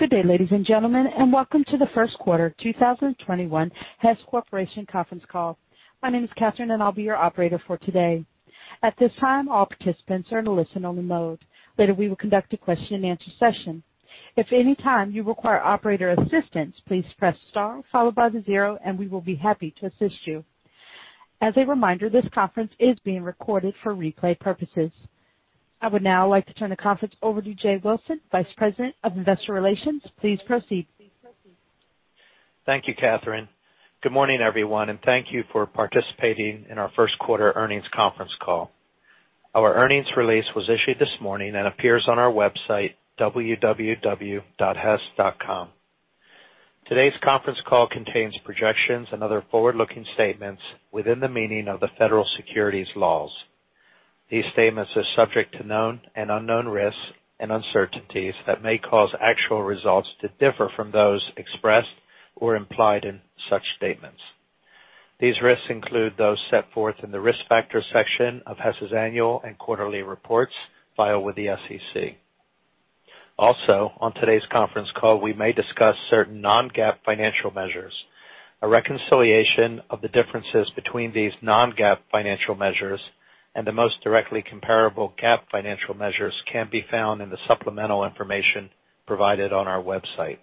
Good day, ladies and gentlemen, and welcome to the first quarter 2021 Hess Corporation conference call. My name is Catherine, and I'll be your operator for today. At this time, all participants are in listen-only mode. Later, we will conduct a question-and-answer session. If any time you require operator assistance, please press star followed by the zero, and we will be happy to assist you. As a reminder, this conference is being recorded for replay purposes. I would now like to turn the conference over to Jay Wilson, Vice President, Investor Relations. Please proceed. Thank you, Catherine. Good morning, everyone, and thank you for participating in our first quarter earnings conference call. Our earnings release was issued this morning and appears on our website, www.hess.com. Today's conference call contains projections and other forward-looking statements within the meaning of the federal securities laws. These statements are subject to known and unknown risks and uncertainties that may cause actual results to differ from those expressed or implied in such statements. These risks include those set forth in the Risk Factors section of Hess's annual and quarterly reports filed with the SEC. Also, on today's conference call, we may discuss certain non-GAAP financial measures. A reconciliation of the differences between these non-GAAP financial measures and the most directly comparable GAAP financial measures can be found in the supplemental information provided on our website.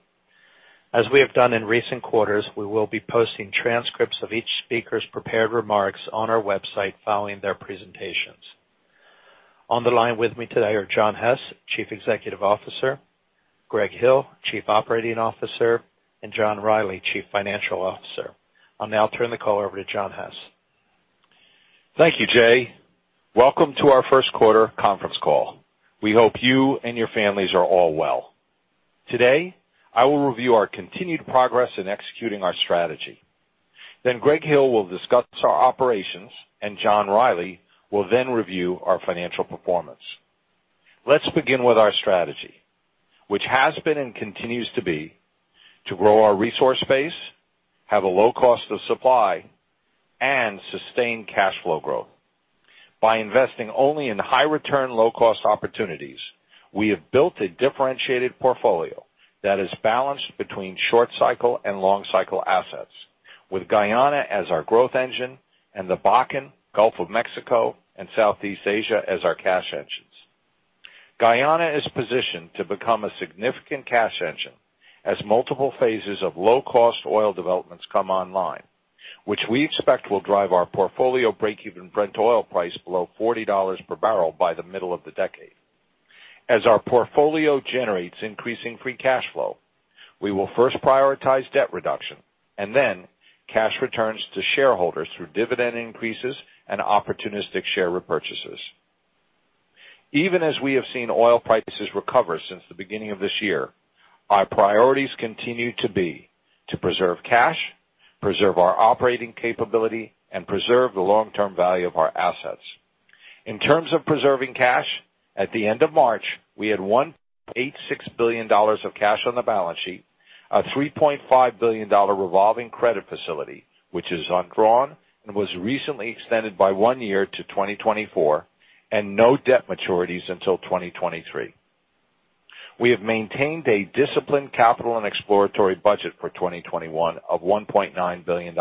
As we have done in recent quarters, we will be posting transcripts of each speaker's prepared remarks on our website following their presentations. On the line with me today are John Hess, Chief Executive Officer, Greg Hill, Chief Operating Officer, and John Rielly, Chief Financial Officer. I'll now turn the call over to John Hess. Thank you, Jay. Welcome to our first quarter conference call. We hope you and your families are all well. Today, I will review our continued progress in executing our strategy. Then Greg Hill will discuss our operations, and John Rielly will then review our financial performance. Let's begin with our strategy, which has been and continues to be to grow our resource base, have a low cost of supply, and sustain cash flow growth. By investing only in high return, low-cost opportunities, we have built a differentiated portfolio that is balanced between short cycle and long cycle assets, with Guyana as our growth engine and the Bakken, Gulf of Mexico, and Southeast Asia as our cash engines. Guyana is positioned to become a significant cash engine as multiple phases of low-cost oil developments come online, which we expect will drive our portfolio breakeven Brent oil price below $40/bbl by the middle of the decade. As our portfolio generates increasing free cash flow, we will first prioritize debt reduction and then cash returns to shareholders through dividend increases and opportunistic share repurchases. Even as we have seen oil prices recover since the beginning of this year, our priorities continue to be to preserve cash, preserve our operating capability, and preserve the long-term value of our assets. In terms of preserving cash, at the end of March, we had $1.86 billion of cash on the balance sheet, a $3.5 billion revolving credit facility, which is undrawn and was recently extended by one year to 2024, and no debt maturities until 2023. We have maintained a disciplined capital and exploratory budget for 2021 of $1.9 billion.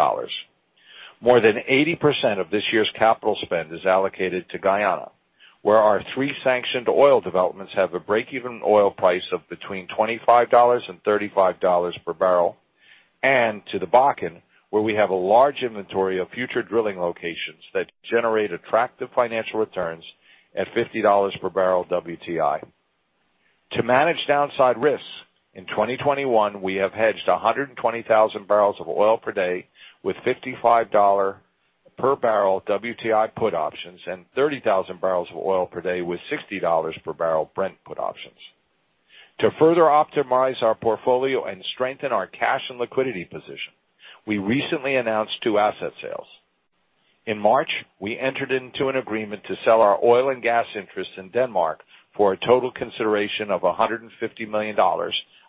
More than 80% of this year's capital spend is allocated to Guyana. Where our three sanctioned oil developments have a break-even oil price of between $25/bbl and $35/bbl, and to the Bakken, where we have a large inventory of future drilling locations that generate attractive financial returns at $50/bbl WTI. To manage downside risks, in 2021, we have hedged 120,000 bpd with $55/bbl WTI put options and 30,000 bpd with $60/bbl Brent put options. To further optimize our portfolio and strengthen our cash and liquidity position, we recently announced two asset sales. In March, we entered into an agreement to sell our oil and gas interests in Denmark for a total consideration of $150 million,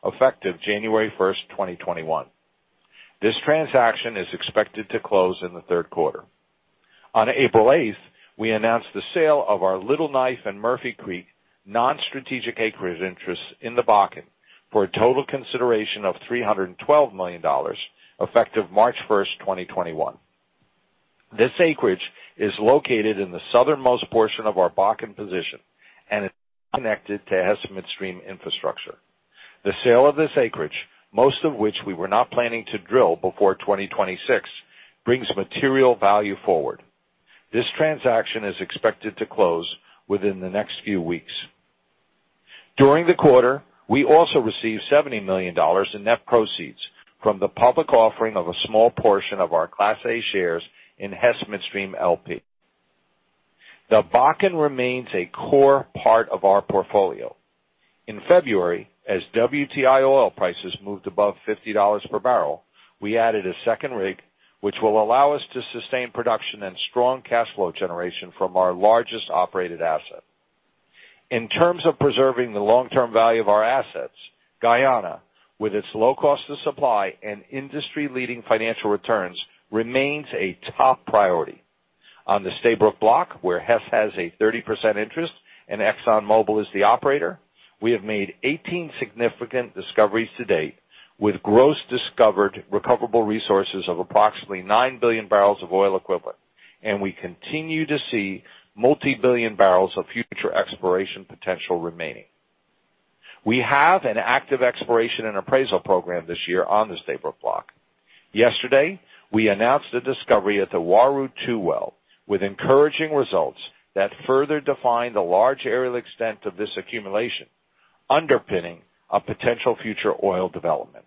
effective January 1st, 2021. This transaction is expected to close in the third quarter. On April 8th, we announced the sale of our Little Knife and Murphy Creek non-strategic acreage interests in the Bakken for a total consideration of $312 million, effective March 1st, 2021. This acreage is located in the southernmost portion of our Bakken position and is connected to Hess Midstream infrastructure. The sale of this acreage, most of which we were not planning to drill before 2026, brings material value forward. This transaction is expected to close within the next few weeks. During the quarter, we also received $70 million in net proceeds from the public offering of a small portion of our Class A shares in Hess Midstream LP. The Bakken remains a core part of our portfolio. In February, as WTI oil prices moved above $50/bbl, we added a second rig, which will allow us to sustain production and strong cash flow generation from our largest operated asset. In terms of preserving the long-term value of our assets, Guyana, with its low cost of supply and industry-leading financial returns, remains a top priority. On the Stabroek Block, where Hess has a 30% interest and ExxonMobil is the operator, we have made 18 significant discoveries to date, with gross discovered recoverable resources of approximately 9 billion BOE, and we continue to see multi-billion barrels of future exploration potential remaining. We have an active exploration and appraisal program this year on the Stabroek Block. Yesterday, we announced a discovery at the Uaru-2 well with encouraging results that further define the large areal extent of this accumulation, underpinning a potential future oil development.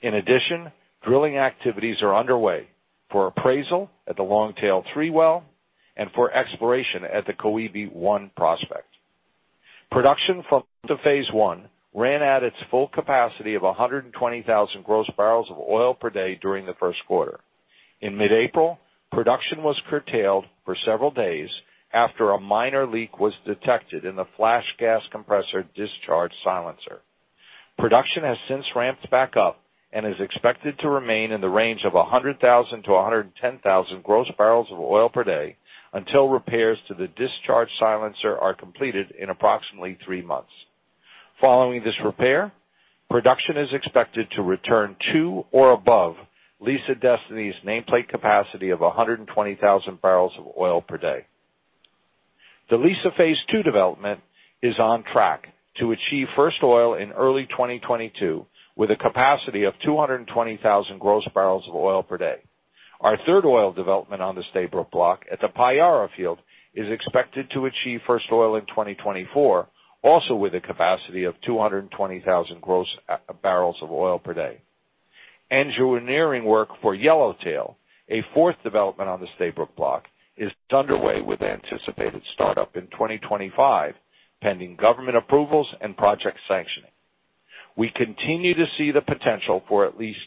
In addition, drilling activities are underway for appraisal at the Longtail-3 well and for exploration at the Koebi-1 prospect. Production from Liza Phase 1 ran at its full capacity of 120,000 gross bpd during the first quarter. In mid-April, production was curtailed for several days after a minor leak was detected in the flash gas compressor discharge silencer. Production has since ramped back up and is expected to remain in the range of 100,000 gross bpd-110,000 gross bpd until repairs to the discharge silencer are completed in approximately three months. Following this repair, production is expected to return to or above Liza Destiny's nameplate capacity of 120,000 bpd. The Liza Phase 2 development is on track to achieve first oil in early 2022 with a capacity of 220,000 gross bpd. Our third oil development on the Stabroek Block at the Payara Field is expected to achieve first oil in 2024, also with a capacity of 220,000 gross bpd. Engineering work for Yellowtail, a fourth development on the Stabroek Block, is underway with anticipated startup in 2025, pending government approvals and project sanctioning. We continue to see the potential for at least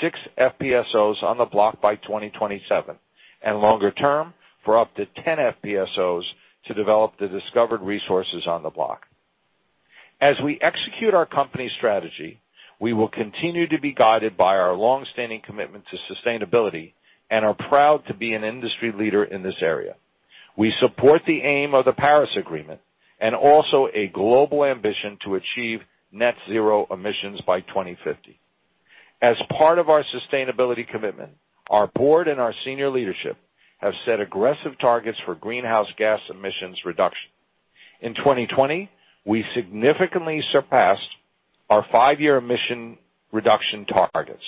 six FPSOs on the block by 2027. And longer term, for up to 10 FPSOs to develop the discovered resources on the block. As we execute our company strategy, we will continue to be guided by our longstanding commitment to sustainability and are proud to be an industry leader in this area. We support the aim of the Paris Agreement and also a global ambition to achieve net zero emissions by 2050. As part of our sustainability commitment, our Board and our senior leadership have set aggressive targets for greenhouse gas emissions reduction. In 2020, we significantly surpassed our five-year emission reduction targets,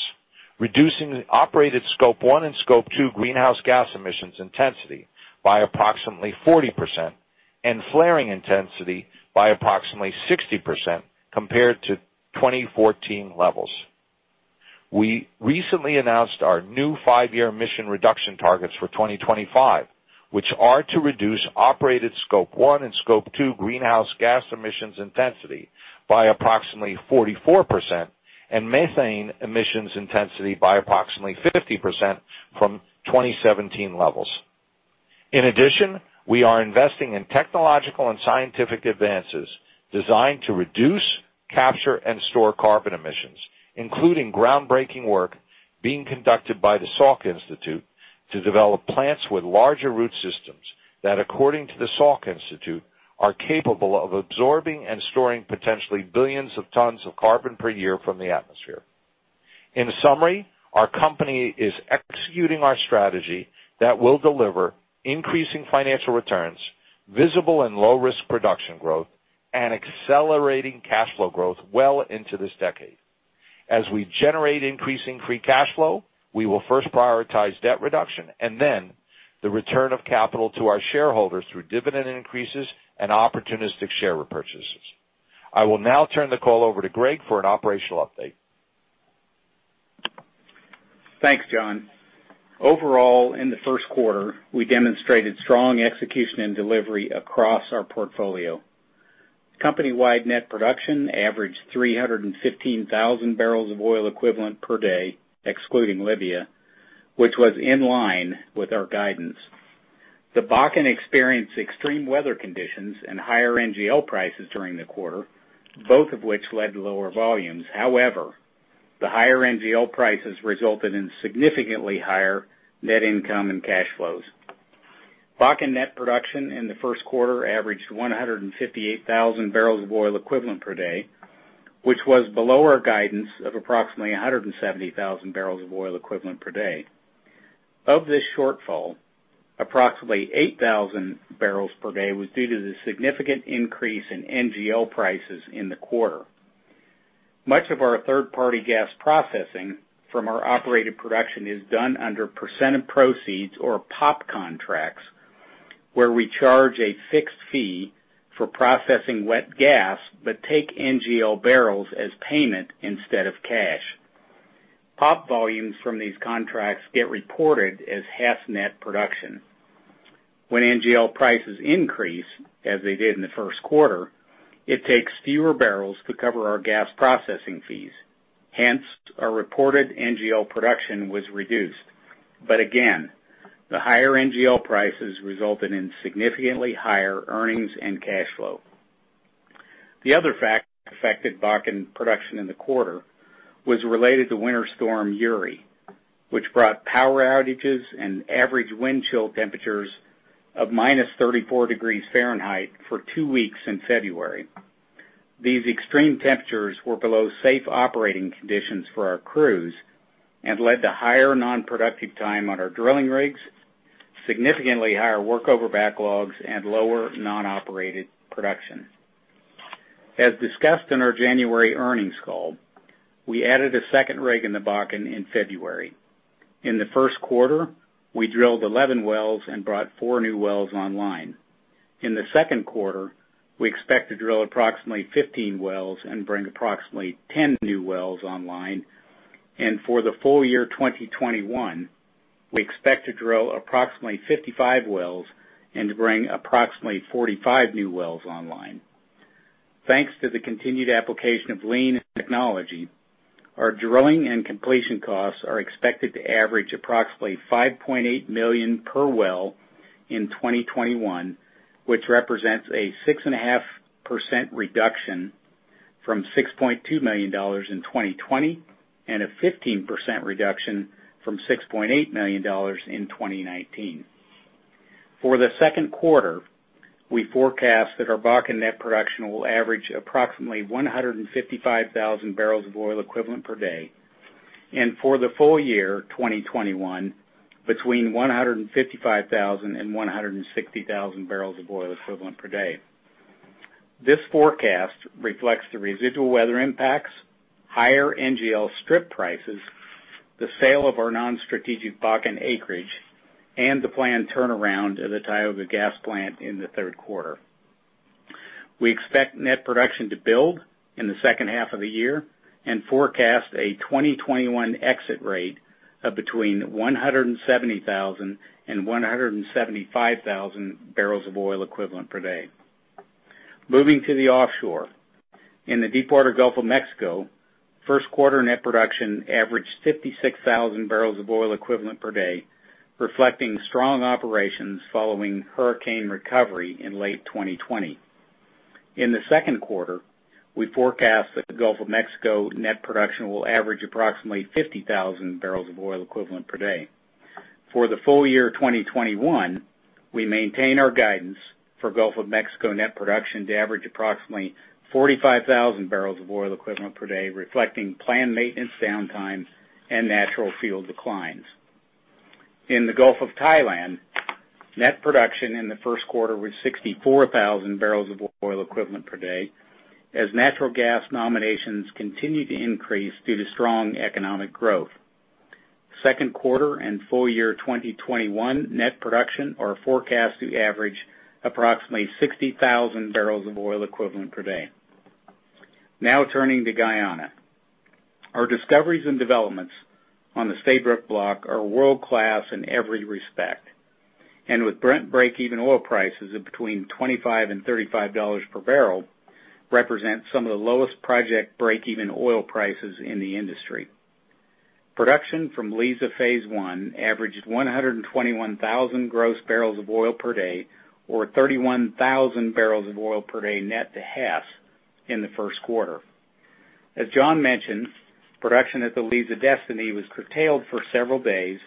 reducing the operated Scope 1 and Scope 2 greenhouse gas emissions intensity by approximately 40% and flaring intensity by approximately 60% compared to 2014 levels. We recently announced our new five-year emission reduction targets for 2025, which are to reduce operated Scope 1 and Scope 2 greenhouse gas emissions intensity by approximately 44% and methane emissions intensity by approximately 50% from 2017 levels. In addition, we are investing in technological and scientific advances designed to reduce capture and store carbon emissions, including groundbreaking work being conducted by the Salk Institute to develop plants with larger root systems that, according to the Salk Institute, are capable of absorbing and storing potentially billions of tons of carbon per year from the atmosphere. In summary, our company is executing our strategy that will deliver increasing financial returns, visible and low-risk production growth, and accelerating cash flow growth well into this decade. As we generate increasing free cash flow, we will first prioritize debt reduction and then the return of capital to our shareholders through dividend increases and opportunistic share repurchases. I will now turn the call over to Greg for an operational update. Thanks, John. Overall, in the first quarter, we demonstrated strong execution and delivery across our portfolio. Company-wide net production averaged 315,000 BOEPD, excluding Libya, which was in line with our guidance. The Bakken experienced extreme weather conditions and higher NGL prices during the quarter, both of which led to lower volumes. The higher NGL prices resulted in significantly higher net income and cash flows. Bakken net production in the first quarter averaged 158,000 BOEPD, which was below our guidance of approximately 170,000 BOEPD. Of this shortfall, approximately 8,000 bpd was due to the significant increase in NGL prices in the quarter. Much of our third-party gas processing from our operated production is done under percent of proceeds or POP contracts, where we charge a fixed fee for processing wet gas but take NGL barrels as payment instead of cash. POP volumes from these contracts get reported as Hess net production. When NGL prices increase, as they did in the first quarter, it takes fewer barrels to cover our gas processing fees. Hence, our reported NGL production was reduced. Again, the higher NGL prices resulted in significantly higher earnings and cash flow. The other factor that affected Bakken production in the quarter was related to winter storm Uri, which brought power outages and average wind chill temperatures of -34 degrees Fahrenheit for two weeks in February. These extreme temperatures were below safe operating conditions for our crews and led to higher non-productive time on our drilling rigs, significantly higher workover backlogs, and lower non-operated production. As discussed in our January earnings call, we added a second rig in the Bakken in February. In the first quarter, we drilled 11 wells and brought four new wells online. In the second quarter, we expect to drill approximately 15 wells and bring approximately 10 new wells online. For the full year 2021, we expect to drill approximately 55 wells and to bring approximately 45 new wells online. Thanks to the continued application of lean technology, our drilling and completion costs are expected to average approximately $5.8 million/well in 2021, which represents a 6.5% reduction from $6.2 million in 2020 and a 15% reduction from $6.8 million in 2019. For the second quarter, we forecast that our Bakken net production will average approximately 155,000 BOEPD. For the full year 2021, between 155,000 BOEPD and 160,000 BOEPD. This forecast reflects the residual weather impacts, higher NGL strip prices, the sale of our non-strategic Bakken acreage, and the planned turnaround at the Tioga Gas Plant in the third quarter. We expect net production to build in the second half of the year and forecast a 2021 exit rate of between 170,000 BOEPD and 175,000 BOEPD. Moving to the offshore. In the Deepwater Gulf of Mexico, first quarter net production averaged 56,000 BOEPD, reflecting strong operations following hurricane recovery in late 2020. In the second quarter, we forecast that the Gulf of Mexico net production will average approximately 50,000 BOEPD. For the full year 2021, we maintain our guidance for Gulf of Mexico net production to average approximately 45,000 BOEPD, reflecting planned maintenance downtime and natural field declines. In the Gulf of Thailand, net production in the first quarter was 64,000 BOEPD as natural gas nominations continue to increase due to strong economic growth. Second quarter and full year 2021 net production are forecast to average approximately 60,000 BOEPD. Turning to Guyana. Our discoveries and developments on the Stabroek Block are world-class in every respect, with breakeven oil prices of between $25/bbl and $35/bbl, represent some of the lowest project breakeven oil prices in the industry. Production from Liza Phase 1 averaged 121,000 gross bpd or 31,000 bpd net to Hess in the first quarter. As John mentioned, production at the Liza Destiny was curtailed for several days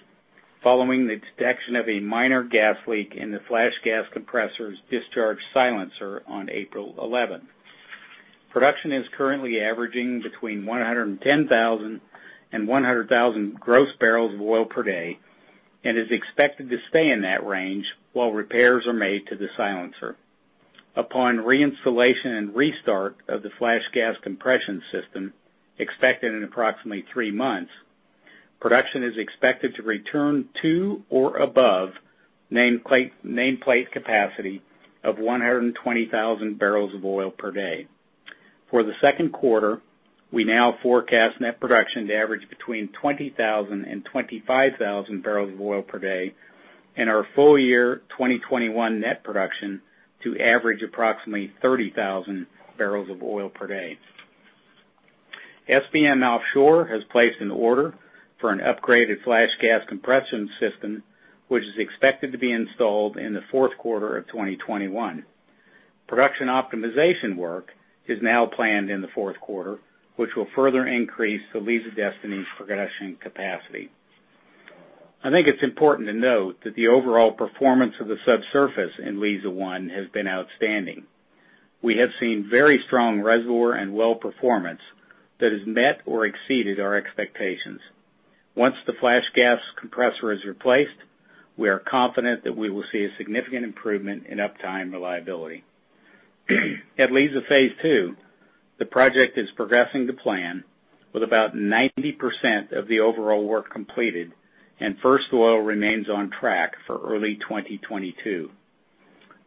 following the detection of a minor gas leak in the flash gas compressor's discharge silencer on April 11th. Production is currently averaging between 110,000 gross bpd and 100,000 gross bpd and is expected to stay in that range while repairs are made to the silencer. Upon reinstallation and restart of the flash gas compression system, expected in approximately three months, production is expected to return to or above nameplate capacity of 120,000 bpd. For the second quarter, we now forecast net production to average between 20,000 bpd and 25,000 bpd and our full year 2021 net production to average approximately 30,000 bpd. SBM Offshore has placed an order for an upgraded flash gas compression system, which is expected to be installed in the fourth quarter of 2021. Production optimization work is now planned in the fourth quarter, which will further increase the Liza Destiny's production capacity. I think it is important to note that the overall performance of the subsurface in Liza 1 has been outstanding. We have seen very strong reservoir and well performance that has met or exceeded our expectations. Once the flash gas compressor is replaced, we are confident that we will see a significant improvement in uptime reliability. At Liza Phase 2, the project is progressing to plan with about 90% of the overall work completed, and first oil remains on track for early 2022.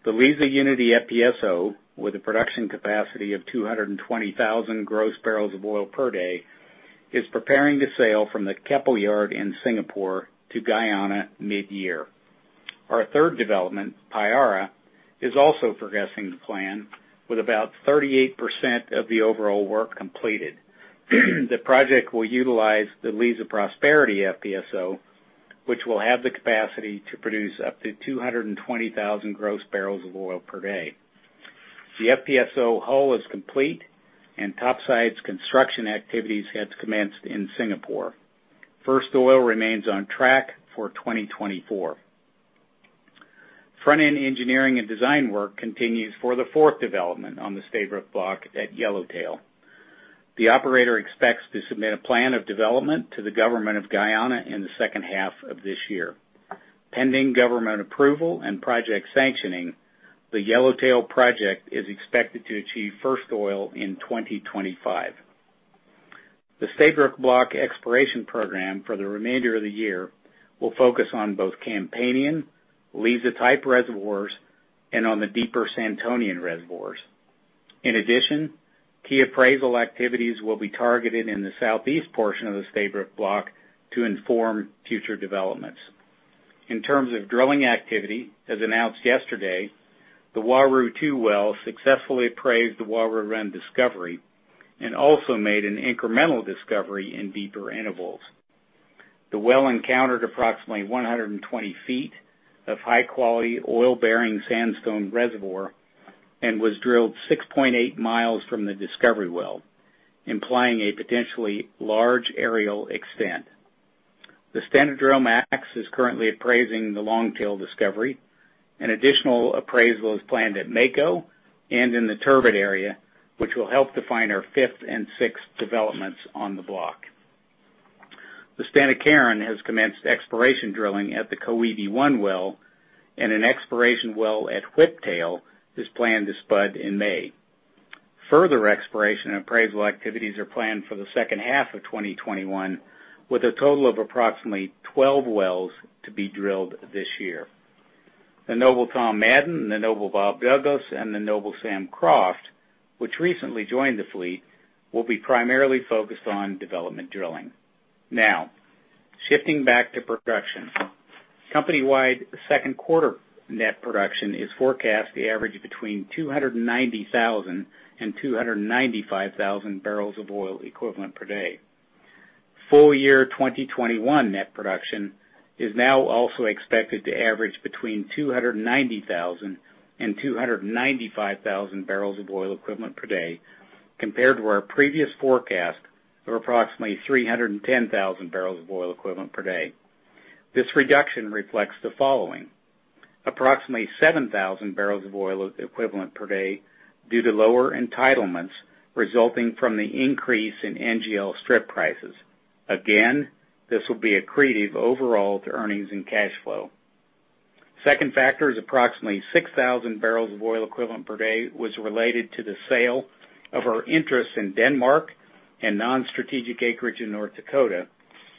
The Liza Unity FPSO, with a production capacity of 220,000 gross bpd, is preparing to sail from the Keppel Yard in Singapore to Guyana mid-year. Our third development, Payara, is also progressing to plan with about 38% of the overall work completed. The project will utilize the Liza Prosperity FPSO, which will have the capacity to produce up to 220,000 gross bpd. The FPSO hull is complete, and topside's construction activities have commenced in Singapore. First oil remains on track for 2024. Front-end engineering and design work continues for the fourth development on the Stabroek Block at Yellowtail. The operator expects to submit a plan of development to the government of Guyana in the second half of this year. Pending government approval and project sanctioning, the Yellowtail project is expected to achieve first oil in 2025. The Stabroek Block exploration program for the remainder of the year will focus on both Campanian, Liza-type reservoirs, and on the deeper Santonian reservoirs. In addition, key appraisal activities will be targeted in the southeast portion of the Stabroek Block to inform future developments. In terms of drilling activity, as announced yesterday, the Uaru-2 well successfully appraised the Uaru discovery and also made an incremental discovery in deeper intervals. The well encountered approximately 120 ft of high-quality oil-bearing sandstone reservoir and was drilled 6.8 mi from the discovery well, implying a potentially large areal extent. The Stena DrillMAX is currently appraising the Longtail discovery. An additional appraisal is planned at Mako and in the Turbot area, which will help define our fifth and sixth developments on the block. The Stena Carron has commenced exploration drilling at the Koebi-1 well, and an exploration well at Whiptail is planned to spud in May. Further exploration and appraisal activities are planned for the second half of 2021, with a total of approximately 12 wells to be drilled this year. The Noble Tom Madden, the Noble Bob Douglas, and the Noble Sam Croft, which recently joined the fleet, will be primarily focused on development drilling. Now, shifting back to production. Company-wide second quarter net production is forecast to average between 290,000 BOEPD and 295,000 BOEPD. Full year 2021 net production is now also expected to average between 290,000 BOEPD and 295,000 BOEPD, compared to our previous forecast of approximately 310,000 BOEPD. This reduction reflects the following. Approximately 7,000 BOEPD due to lower entitlements resulting from the increase in NGL strip prices. Again, this will be accretive overall to earnings and cash flow. Second factor is approximately 6,000 BOEPD was related to the sale of our interest in Denmark and non-strategic acreage in North Dakota,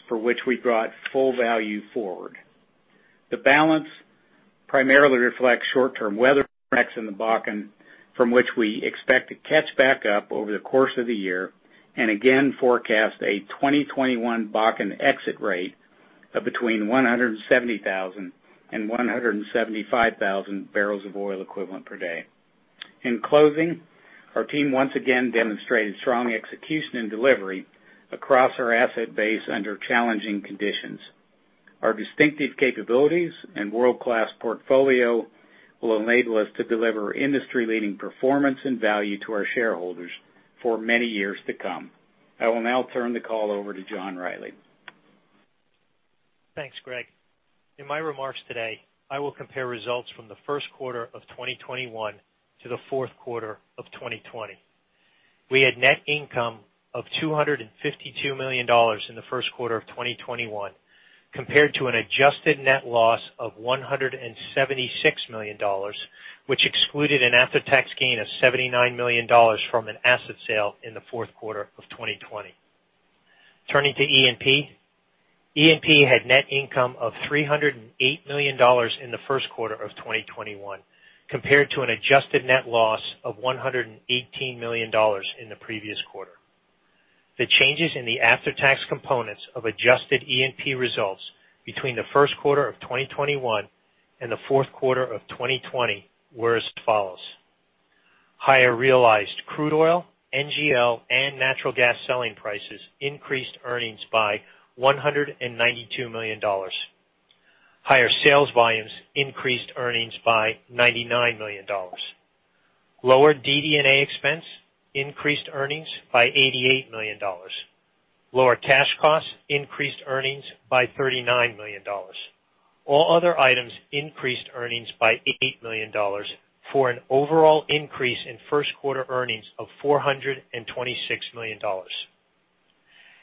for which we brought full value forward. The balance primarily reflects short-term weather effects in the Bakken, from which we expect to catch back up over the course of the year, and again forecast a 2021 Bakken exit rate of between 170,000 BOEPD and 175,000 BOEPD. In closing, our team once again demonstrated strong execution and delivery across our asset base under challenging conditions. Our distinctive capabilities and world-class portfolio will enable us to deliver industry-leading performance and value to our shareholders for many years to come. I will now turn the call over to John Rielly. Thanks, Greg. In my remarks today, I will compare results from the first quarter of 2021 to the fourth quarter of 2020. We had net income of $252 million in the first quarter of 2021, compared to an adjusted net loss of $176 million, which excluded an after-tax gain of $79 million from an asset sale in the fourth quarter of 2020. Turning to E&P. E&P had net income of $308 million in the first quarter of 2021, compared to an adjusted net loss of $118 million in the previous quarter. The changes in the after-tax components of adjusted E&P results between the first quarter of 2021 and the fourth quarter of 2020 were as follows. Higher realized crude oil, NGL, and natural gas selling prices increased earnings by $192 million. Higher sales volumes increased earnings by $99 million. Lower DD&A expense increased earnings by $88 million. Lower cash costs increased earnings by $39 million. All other items increased earnings by $8 million for an overall increase in first quarter earnings of $426 million.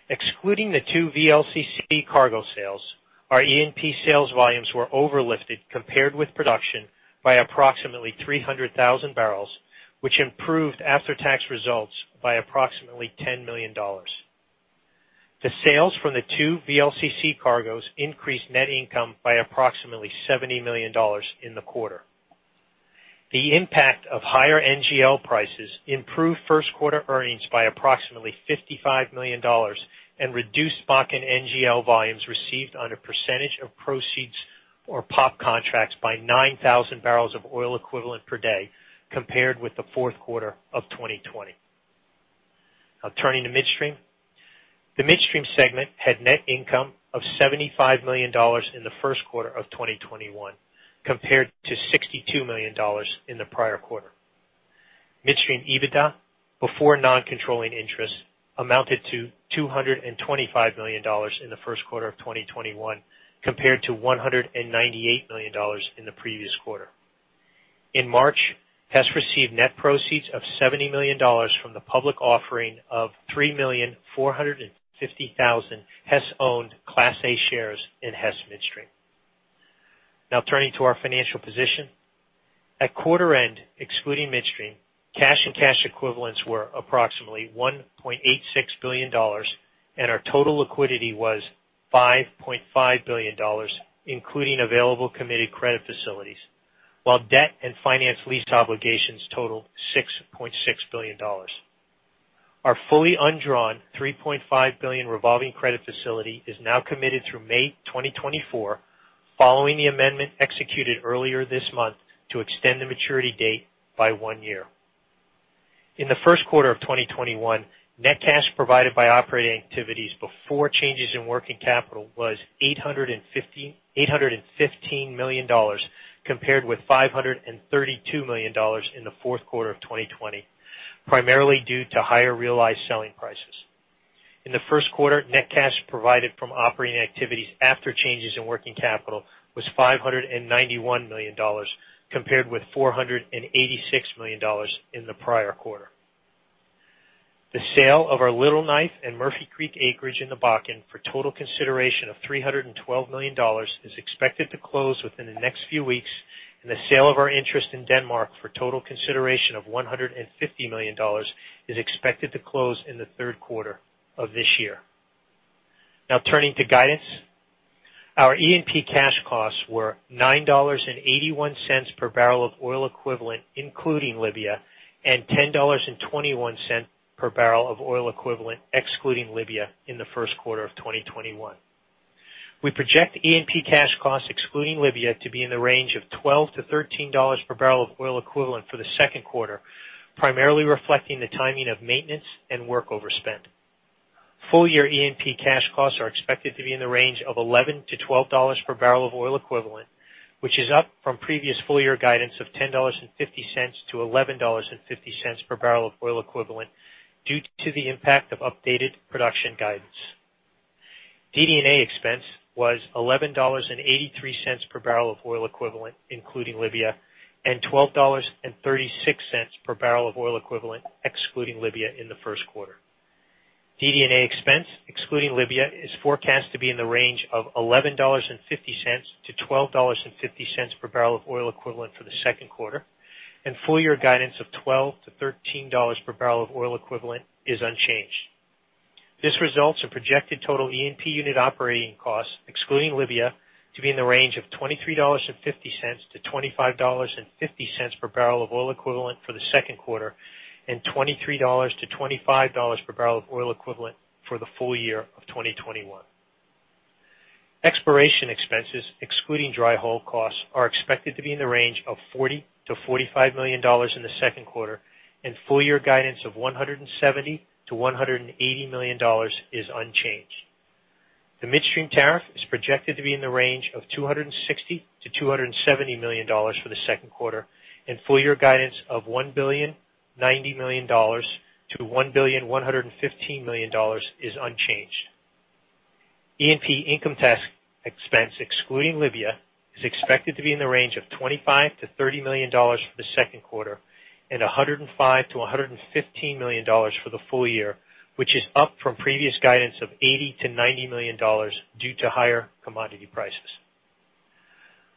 Excluding the two VLCC cargo sales, our E&P sales volumes were overlifted compared with production by approximately 300,000 bbl, which improved after-tax results by approximately $10 million. The sales from the two VLCC cargoes increased net income by approximately $70 million in the quarter. The impact of higher NGL prices improved first quarter earnings by approximately $55 million and reduced Bakken NGL volumes received on a percentage of proceeds or POP contracts by 9,000 BOEPD compared with the fourth quarter of 2020. Turning to midstream. The midstream segment had net income of $75 million in the first quarter of 2021, compared to $62 million in the prior quarter. Midstream EBITDA, before non-controlling interest, amounted to $225 million in the first quarter of 2021 compared to $198 million in the previous quarter. In March, Hess received net proceeds of $70 million from the public offering of 3,450,000 Hess-owned Class A shares in Hess Midstream. Now turning to our financial position. At quarter end, excluding midstream, cash and cash equivalents were approximately $1.86 billion, and our total liquidity was $5.5 billion, including available committed credit facilities, while debt and finance lease obligations totaled $6.6 billion. Our fully undrawn $3.5 billion revolving credit facility is now committed through May 2024, following the amendment executed earlier this month to extend the maturity date by one year. In the first quarter of 2021, net cash provided by operating activities before changes in working capital was $815 million, compared with $532 million in the fourth quarter of 2020, primarily due to higher realized selling prices. In the first quarter, net cash provided from operating activities after changes in working capital was $591 million, compared with $486 million in the prior quarter. The sale of our Little Knife and Murphy Creek acreage in the Bakken for total consideration of $312 million is expected to close within the next few weeks, and the sale of our interest in Denmark for total consideration of $150 million is expected to close in the third quarter of this year. Turning to guidance. Our E&P cash costs were $9.81/BOE, including Libya, and $10.21/BOE, excluding Libya, in the first quarter of 2021. We project E&P cash costs, excluding Libya, to be in the range of $12/BOE-$13/BOE for the second quarter, primarily reflecting the timing of maintenance and work overspend. Full-year E&P cash costs are expected to be in the range of $11/BOE-$12/BOE, which is up from previous full-year guidance of $10.50/BOE-$11.50/BOE due to the impact of updated production guidance. DD&A expense was $11.83/BOE, including Libya, and $12.36/BOE, excluding Libya, in the first quarter. DD&A expense, excluding Libya, is forecast to be in the range of $11.50/BOE-$12.50/BOE for the second quarter, and full-year guidance of $12/BOE-$13/BOE is unchanged. This results in projected total E&P unit operating costs, excluding Libya, to be in the range of $23.50/BOE-$25.50/BOE for the second quarter, and $23/BOE-$25/BOE for the full year of 2021. Exploration expenses, excluding dry hole costs, are expected to be in the range of $40 million-$45 million in the second quarter, and full-year guidance of $170 million-$180 million is unchanged. The midstream tariff is projected to be in the range of $260 million-$270 million for the second quarter, and full-year guidance of $1.090 billion-$1.115 billion is unchanged. E&P income tax expense, excluding Libya, is expected to be in the range of $25 million-$30 million for the second quarter and $105 million-$115 million for the full year, which is up from previous guidance of $80 million-$90 million due to higher commodity prices.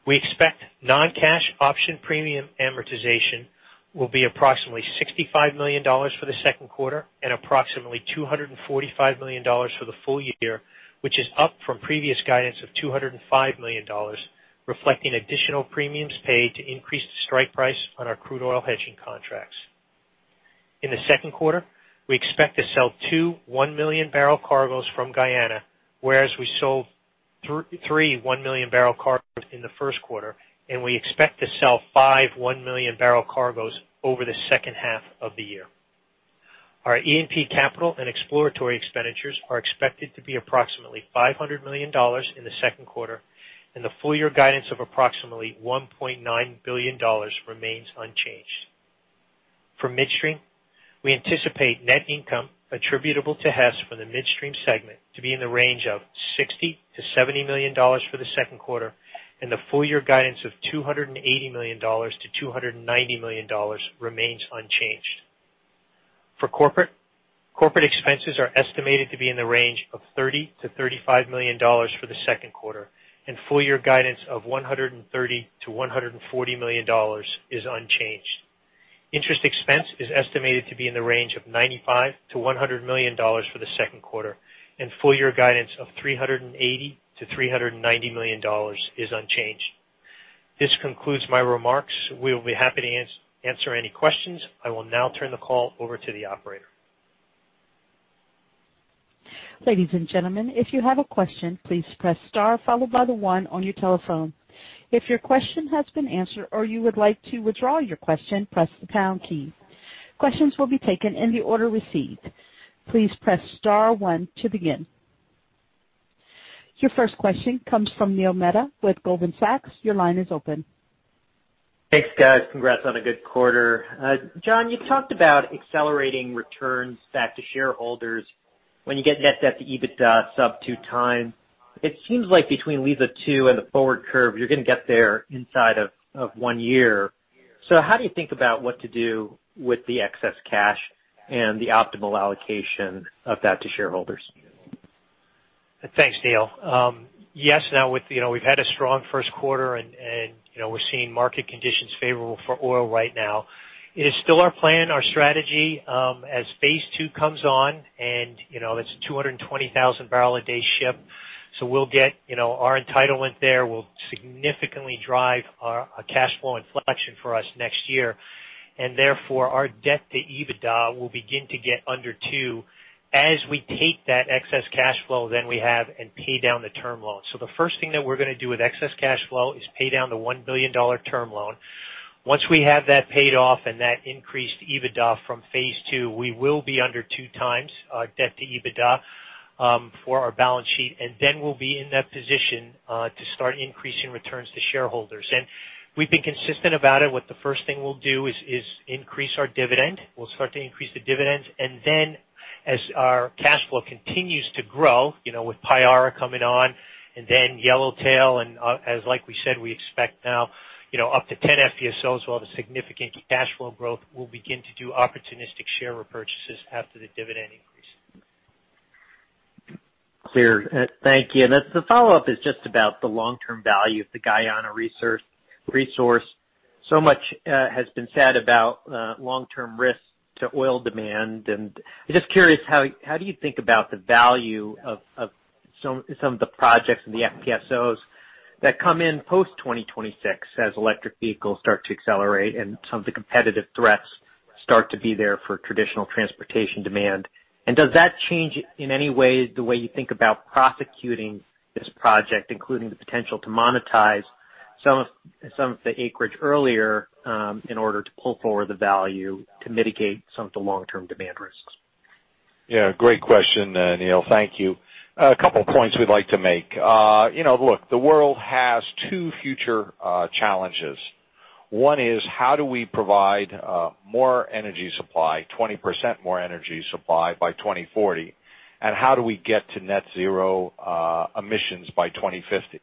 We expect non-cash option premium amortization will be approximately $65 million for the second quarter and approximately $245 million for the full year, which is up from previous guidance of $205 million, reflecting additional premiums paid to increase the strike price on our crude oil hedging contracts. In the second quarter, we expect to sell two 1 million-bbl cargos from Guyana, whereas we sold three 1 million-bbl cargos in the first quarter, and we expect to sell five 1 million-bbl cargos over the second half of the year. Our E&P capital and exploratory expenditures are expected to be approximately $500 million in the second quarter, and the full-year guidance of approximately $1.9 billion remains unchanged. For midstream, we anticipate net income attributable to Hess for the midstream segment to be in the range of $60 million-$70 million for the second quarter, and the full-year guidance of $280 million-$290 million remains unchanged. For corporate expenses are estimated to be in the range of $30 million-$35 million for the second quarter, and full-year guidance of $130 million-$140 million is unchanged. Interest expense is estimated to be in the range of $95 million-$100 million for the second quarter, and full-year guidance of $380 million-$390 million is unchanged. This concludes my remarks. We will be happy to answer any questions. I will now turn the call over to the Operator. Ladies and gentlemen if you have a question, please press star followed by the one on your telephone. If your question has been answered or you would like to withdraw your question, press the pound key. Questions will be taken in the order received. Please press star one to begin. Your first question comes from Neil Mehta with Goldman Sachs. Your line is open. Thanks, guys. Congrats on a good quarter. John, you talked about accelerating returns back to shareholders when you get net debt to EBITDA sub 2x. It seems like between Liza 2 and the forward curve, you're going to get there inside of one year. How do you think about what to do with the excess cash and the optimal allocation of that to shareholders? Thanks, Neil. We've had a strong first quarter, we're seeing market conditions favorable for oil right now. It is still our plan, our strategy, as Liza Phase 2 comes on, that's 220,000 bpd ship. We'll get our entitlement there will significantly drive our cash flow inflection for us next year. Therefore our debt to EBITDA will begin to get under two as we take that excess cash flow than we have and pay down the term loan. The first thing that we're going to do with excess cash flow is pay down the $1 billion term loan. Once we have that paid off and that increased EBITDA from Liza Phase 2, we will be under 2x debt to EBITDA for our balance sheet, then we'll be in that position to start increasing returns to shareholders. We've been consistent about it. What the first thing we'll do is increase our dividend. We'll start to increase the dividends, and then as our cash flow continues to grow, with Payara coming on and then Yellowtail, and as like we said, we expect now, up to 10 FPSOs, we'll have a significant cash flow growth. We'll begin to do opportunistic share repurchases after the dividend increase. Clear. Thank you. The follow-up is just about the long-term value of the Guyana resource. Much has been said about long-term risks to oil demand, and I'm just curious, how do you think about the value of some of the projects and the FPSOs that come in post-2026 as electric vehicles start to accelerate and some of the competitive threats start to be there for traditional transportation demand? Does that change in any way the way you think about prosecuting this project, including the potential to monetize some of the acreage earlier, in order to pull forward the value to mitigate some of the long-term demand risks? Yeah, great question, Neil. Thank you. A couple points we'd like to make. Look, the world has two future challenges. One is how do we provide more energy supply, 20% more energy supply, by 2040? How do we get to net zero emissions by 2050?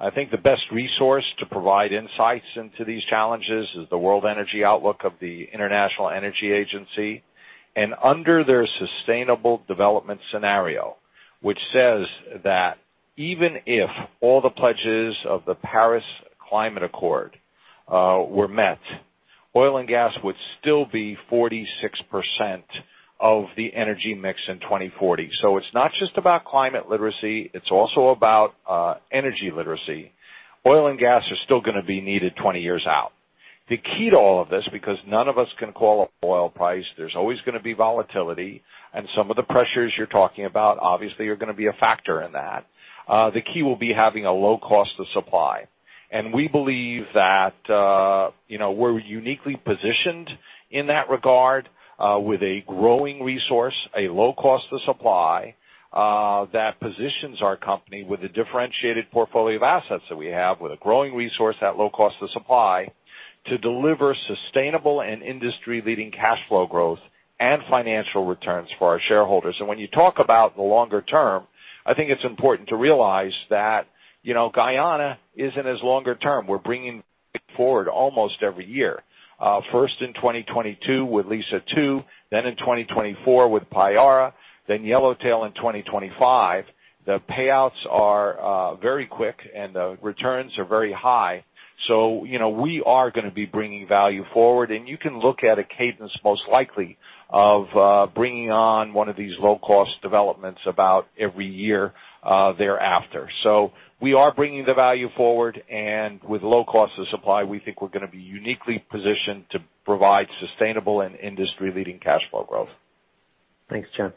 I think the best resource to provide insights into these challenges is the World Energy Outlook of the International Energy Agency. Under their sustainable development scenario, which says that even if all the pledges of the Paris Climate Accord were met. Oil and gas would still be 46% of the energy mix in 2040. It's not just about climate literacy, it's also about energy literacy. Oil and gas are still gonna be needed 20 years out. The key to all of this, because none of us can call oil price, there's always gonna be volatility, and some of the pressures you're talking about, obviously, are going to be a factor in that. The key will be having a low cost of supply. We believe that, we're uniquely positioned in that regard, with a growing resource, a low cost of supply, that positions our company with a differentiated portfolio of assets that we have, with a growing resource at low cost of supply to deliver sustainable and industry-leading cash flow growth and financial returns for our shareholders. When you talk about the longer term, I think it's important to realize that Guyana isn't as longer term. We're bringing it forward almost every year. First in 2022 with Liza 2, then in 2024 with Payara, then Yellowtail in 2025. The payouts are very quick and the returns are very high. We are gonna be bringing value forward, and you can look at a cadence most likely of bringing on one of these low-cost developments about every year thereafter. We are bringing the value forward and with low cost of supply, we think we're gonna be uniquely positioned to provide sustainable and industry-leading cash flow growth. Thanks, John.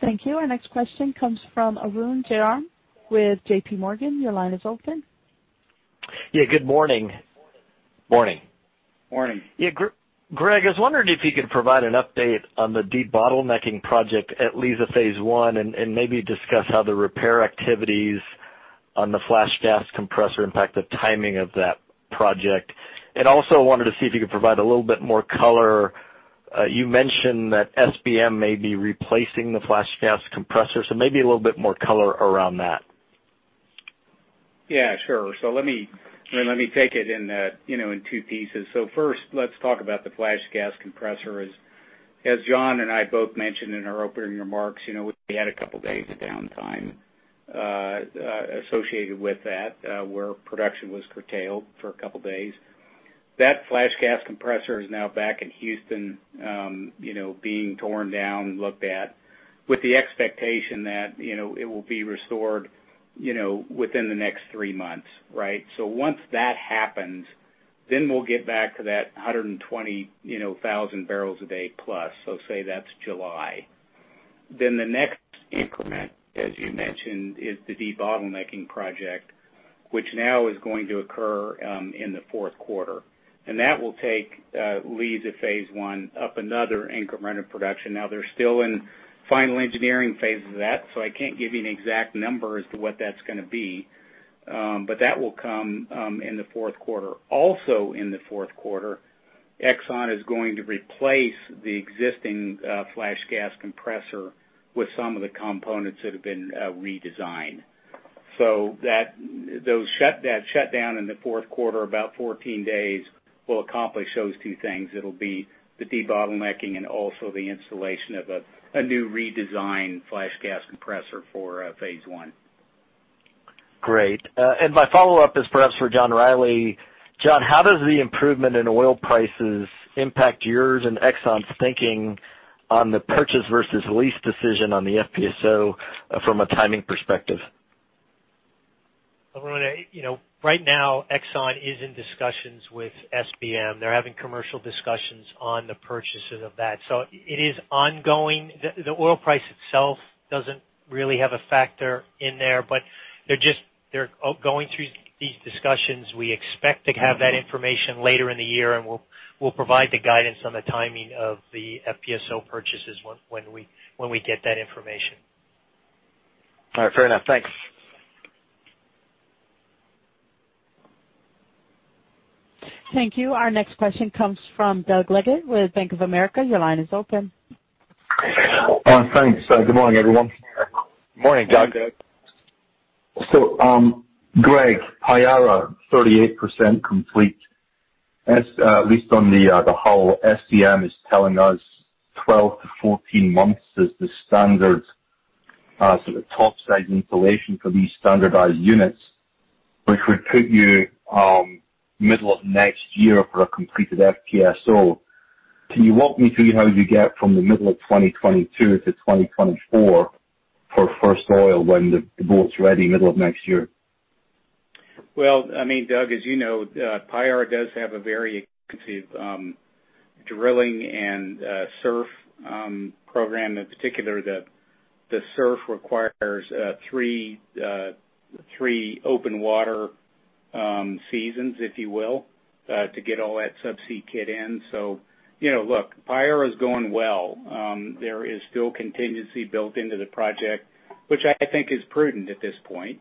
Thank you. Our next question comes from Arun Jayaram with JPMorgan. Your line is open. Yeah, good morning. Morning. Morning. Yeah, Greg, I was wondering if you could provide an update on the debottlenecking project at Liza Phase 1, and maybe discuss how the repair activities on the flash gas compressor impact the timing of that project. Also wanted to see if you could provide a little bit more color. You mentioned that SBM may be replacing the flash gas compressor, so maybe a little bit more color around that? Yeah, sure. Let me take it in two pieces. First, let's talk about the flash gas compressor. As John and I both mentioned in our opening remarks, we had a couple days of downtime associated with that, where production was curtailed for a couple days. That flash gas compressor is now back in Houston, being torn down and looked at with the expectation that it will be restored Within the next three months. Right? Once that happens, then we'll get back to that 120,000 bpd+. Say that's July. The next increment, as you mentioned, is the debottlenecking project, which now is going to occur in the fourth quarter. That will take Liza Phase 1 up another increment of production. Now they're still in final engineering phase of that, so I can't give you an exact number as to what that's going to be. That will come in the fourth quarter. Also, in the fourth quarter, Exxon is going to replace the existing flash gas compressor with some of the components that have been redesigned. That shutdown in the fourth quarter, about 14 days, will accomplish those two things. It'll be the debottlenecking and also the installation of a new redesigned flash gas compressor for Liza Phase 1. Great. My follow-up is perhaps for John Rielly. John, how does the improvement in oil prices impact yours and Exxon's thinking on the purchase versus lease decision on the FPSO from a timing perspective? Arun, right now Exxon is in discussions with SBM. They're having commercial discussions on the purchases of that. It is ongoing. The oil price itself doesn't really have a factor in there. They're going through these discussions. We expect to have that information later in the year. We'll provide the guidance on the timing of the FPSO purchases when we get that information. All right. Fair enough. Thanks. Thank you. Our next question comes from Doug Leggate with Bank of America. Your line is open. Oh, thanks. Good morning, everyone. Morning, Doug. Greg, Payara, 38% complete. At least on the hull, SBM is telling us 12months-14 months is the standard sort of top side installation for these standardized units, which would put you middle of next year for a completed FPSO. Can you walk me through how you get from the middle of 2022-2024 for first oil when the boat's ready middle of next year? Well, I mean, Doug, as you know, Payara does have a very extensive drilling and SURF program. In particular, the SURF requires three open water seasons, if you will, to get all that subsea kit in. Look, Payara is going well. There is still contingency built into the project, which I think is prudent at this point,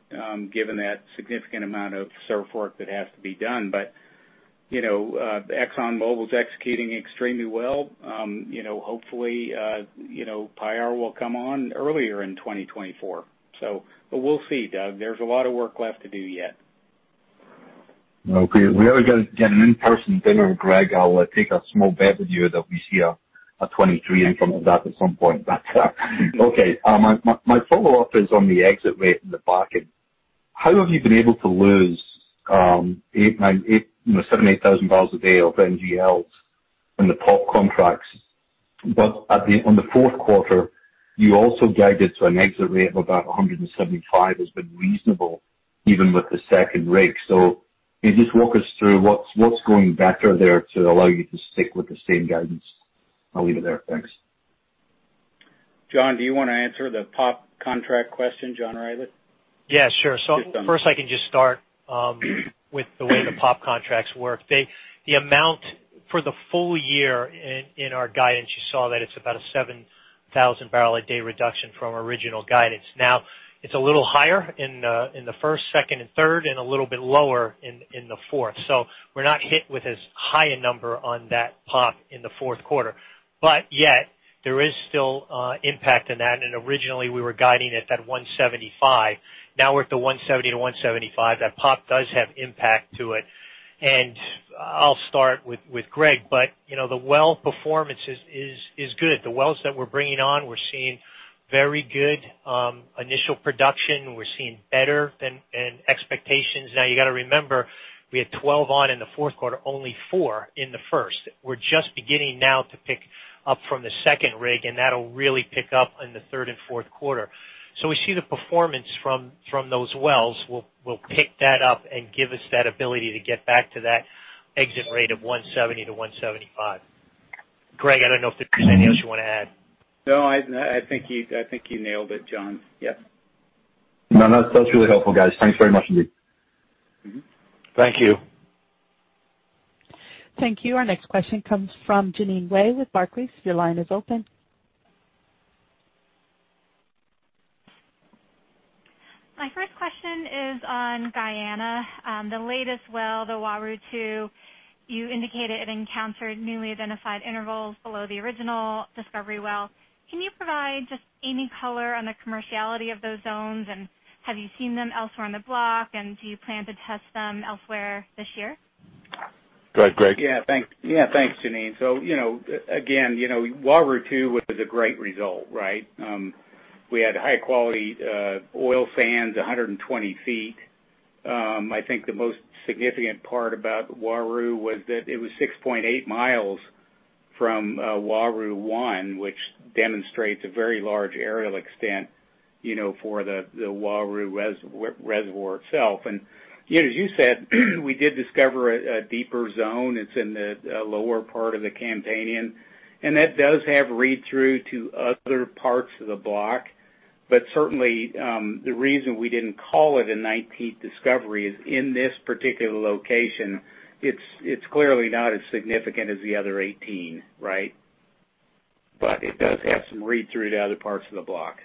given that significant amount of SURF work that has to be done. ExxonMobil's executing extremely well. Hopefully, Payara will come on earlier in 2024. We'll see, Doug. There's a lot of work left to do yet. Okay. We ought to get an in-person dinner, Greg. I'll take a small bet with you that we see a 2023 increment of that at some point. Okay. My follow-up is on the exit rate from the back end. How have you been able to lose 7,000 bpd or 8,000 bpd of NGLs from the POP contracts? On the fourth quarter, you also guided to an exit rate of about 175 as being reasonable even with the second rig. Can you just walk us through what's going better there to allow you to stick with the same guidance? I'll leave it there. Thanks. John, do you want to answer the POP contract question? John Rielly? Yeah, sure. First, I can just start with the way the POP contracts work. The amount for the full year in our guidance, you saw that it's about a 7,000 bpd reduction from original guidance. It's a little higher in the first, second, and third and a little bit lower in the fourth. We're not hit with as high a number on that POP in the fourth quarter. Yet there is still impact in that. Originally, we were guiding it at 175. We're at the 170-175. That POP does have impact to it. I'll start with Greg, the well performance is good. The wells that we're bringing on, we're seeing very good initial production. We're seeing better than expectations. You got to remember, we had 12 on in the fourth quarter, only four in the first. We're just beginning now to pick up from the second rig, and that'll really pick up in the third and fourth quarter. We see the performance from those wells will pick that up and give us that ability to get back to that exit rate of 170-175. Greg, I don't know if there's anything else you want to add. No, I think you nailed it, John. Yes. No, that's really helpful, guys. Thanks very much indeed. Thank you. Thank you. Our next question comes from Jeanine Wai with Barclays. Your line is open. My first question is on Guyana. The latest well, the Uaru-2, you indicated it encountered newly identified intervals below the original discovery well. Can you provide just any color on the commerciality of those zones? Have you seen them elsewhere on the Block, and do you plan to test them elsewhere this year? Go ahead, Greg. Thanks, Jeanine. Again, Uaru-2 was a great result, right? We had high-quality oil sands, 120 ft. I think the most significant part about Uaru-2 was that it was 6.8 mi from Uaru-1, which demonstrates a very large aerial extent for the Uaru reservoir itself. As you said, we did discover a deeper zone. It's in the lower part of the Campanian, that does have read-through to other parts of the Block. Certainly, the reason we didn't call it a 19th discovery is in this particular location, it's clearly not as significant as the other 18. Right? It does have some read-through to other parts of the Block.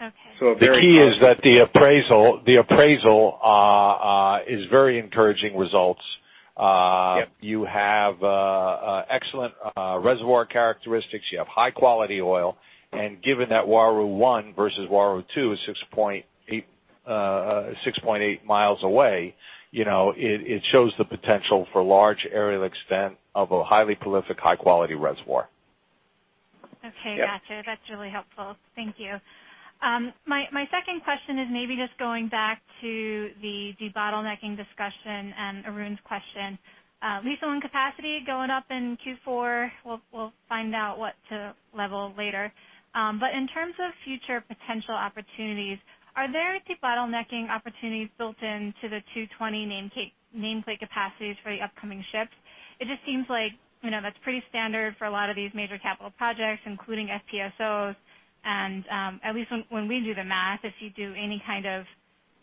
Okay. So a very- The key is that the appraisal is very encouraging results. Yep. You have excellent reservoir characteristics. You have high-quality oil, and given that Uaru-1 versus Uaru-2 is 6.8 mi away, it shows the potential for large aerial extent of a highly prolific, high-quality reservoir. Okay, gotcha. Yep. That's really helpful. Thank you. My second question is maybe just going back to the de-bottlenecking discussion and Arun's question. Liza, on capacity going up in Q4, we'll find out what to level later. In terms of future potential opportunities, are there de-bottlenecking opportunities built into the 220 nameplate capacities for the upcoming ships? It just seems like that's pretty standard for a lot of these major capital projects, including FPSOs. At least when we do the math, if you do any kind of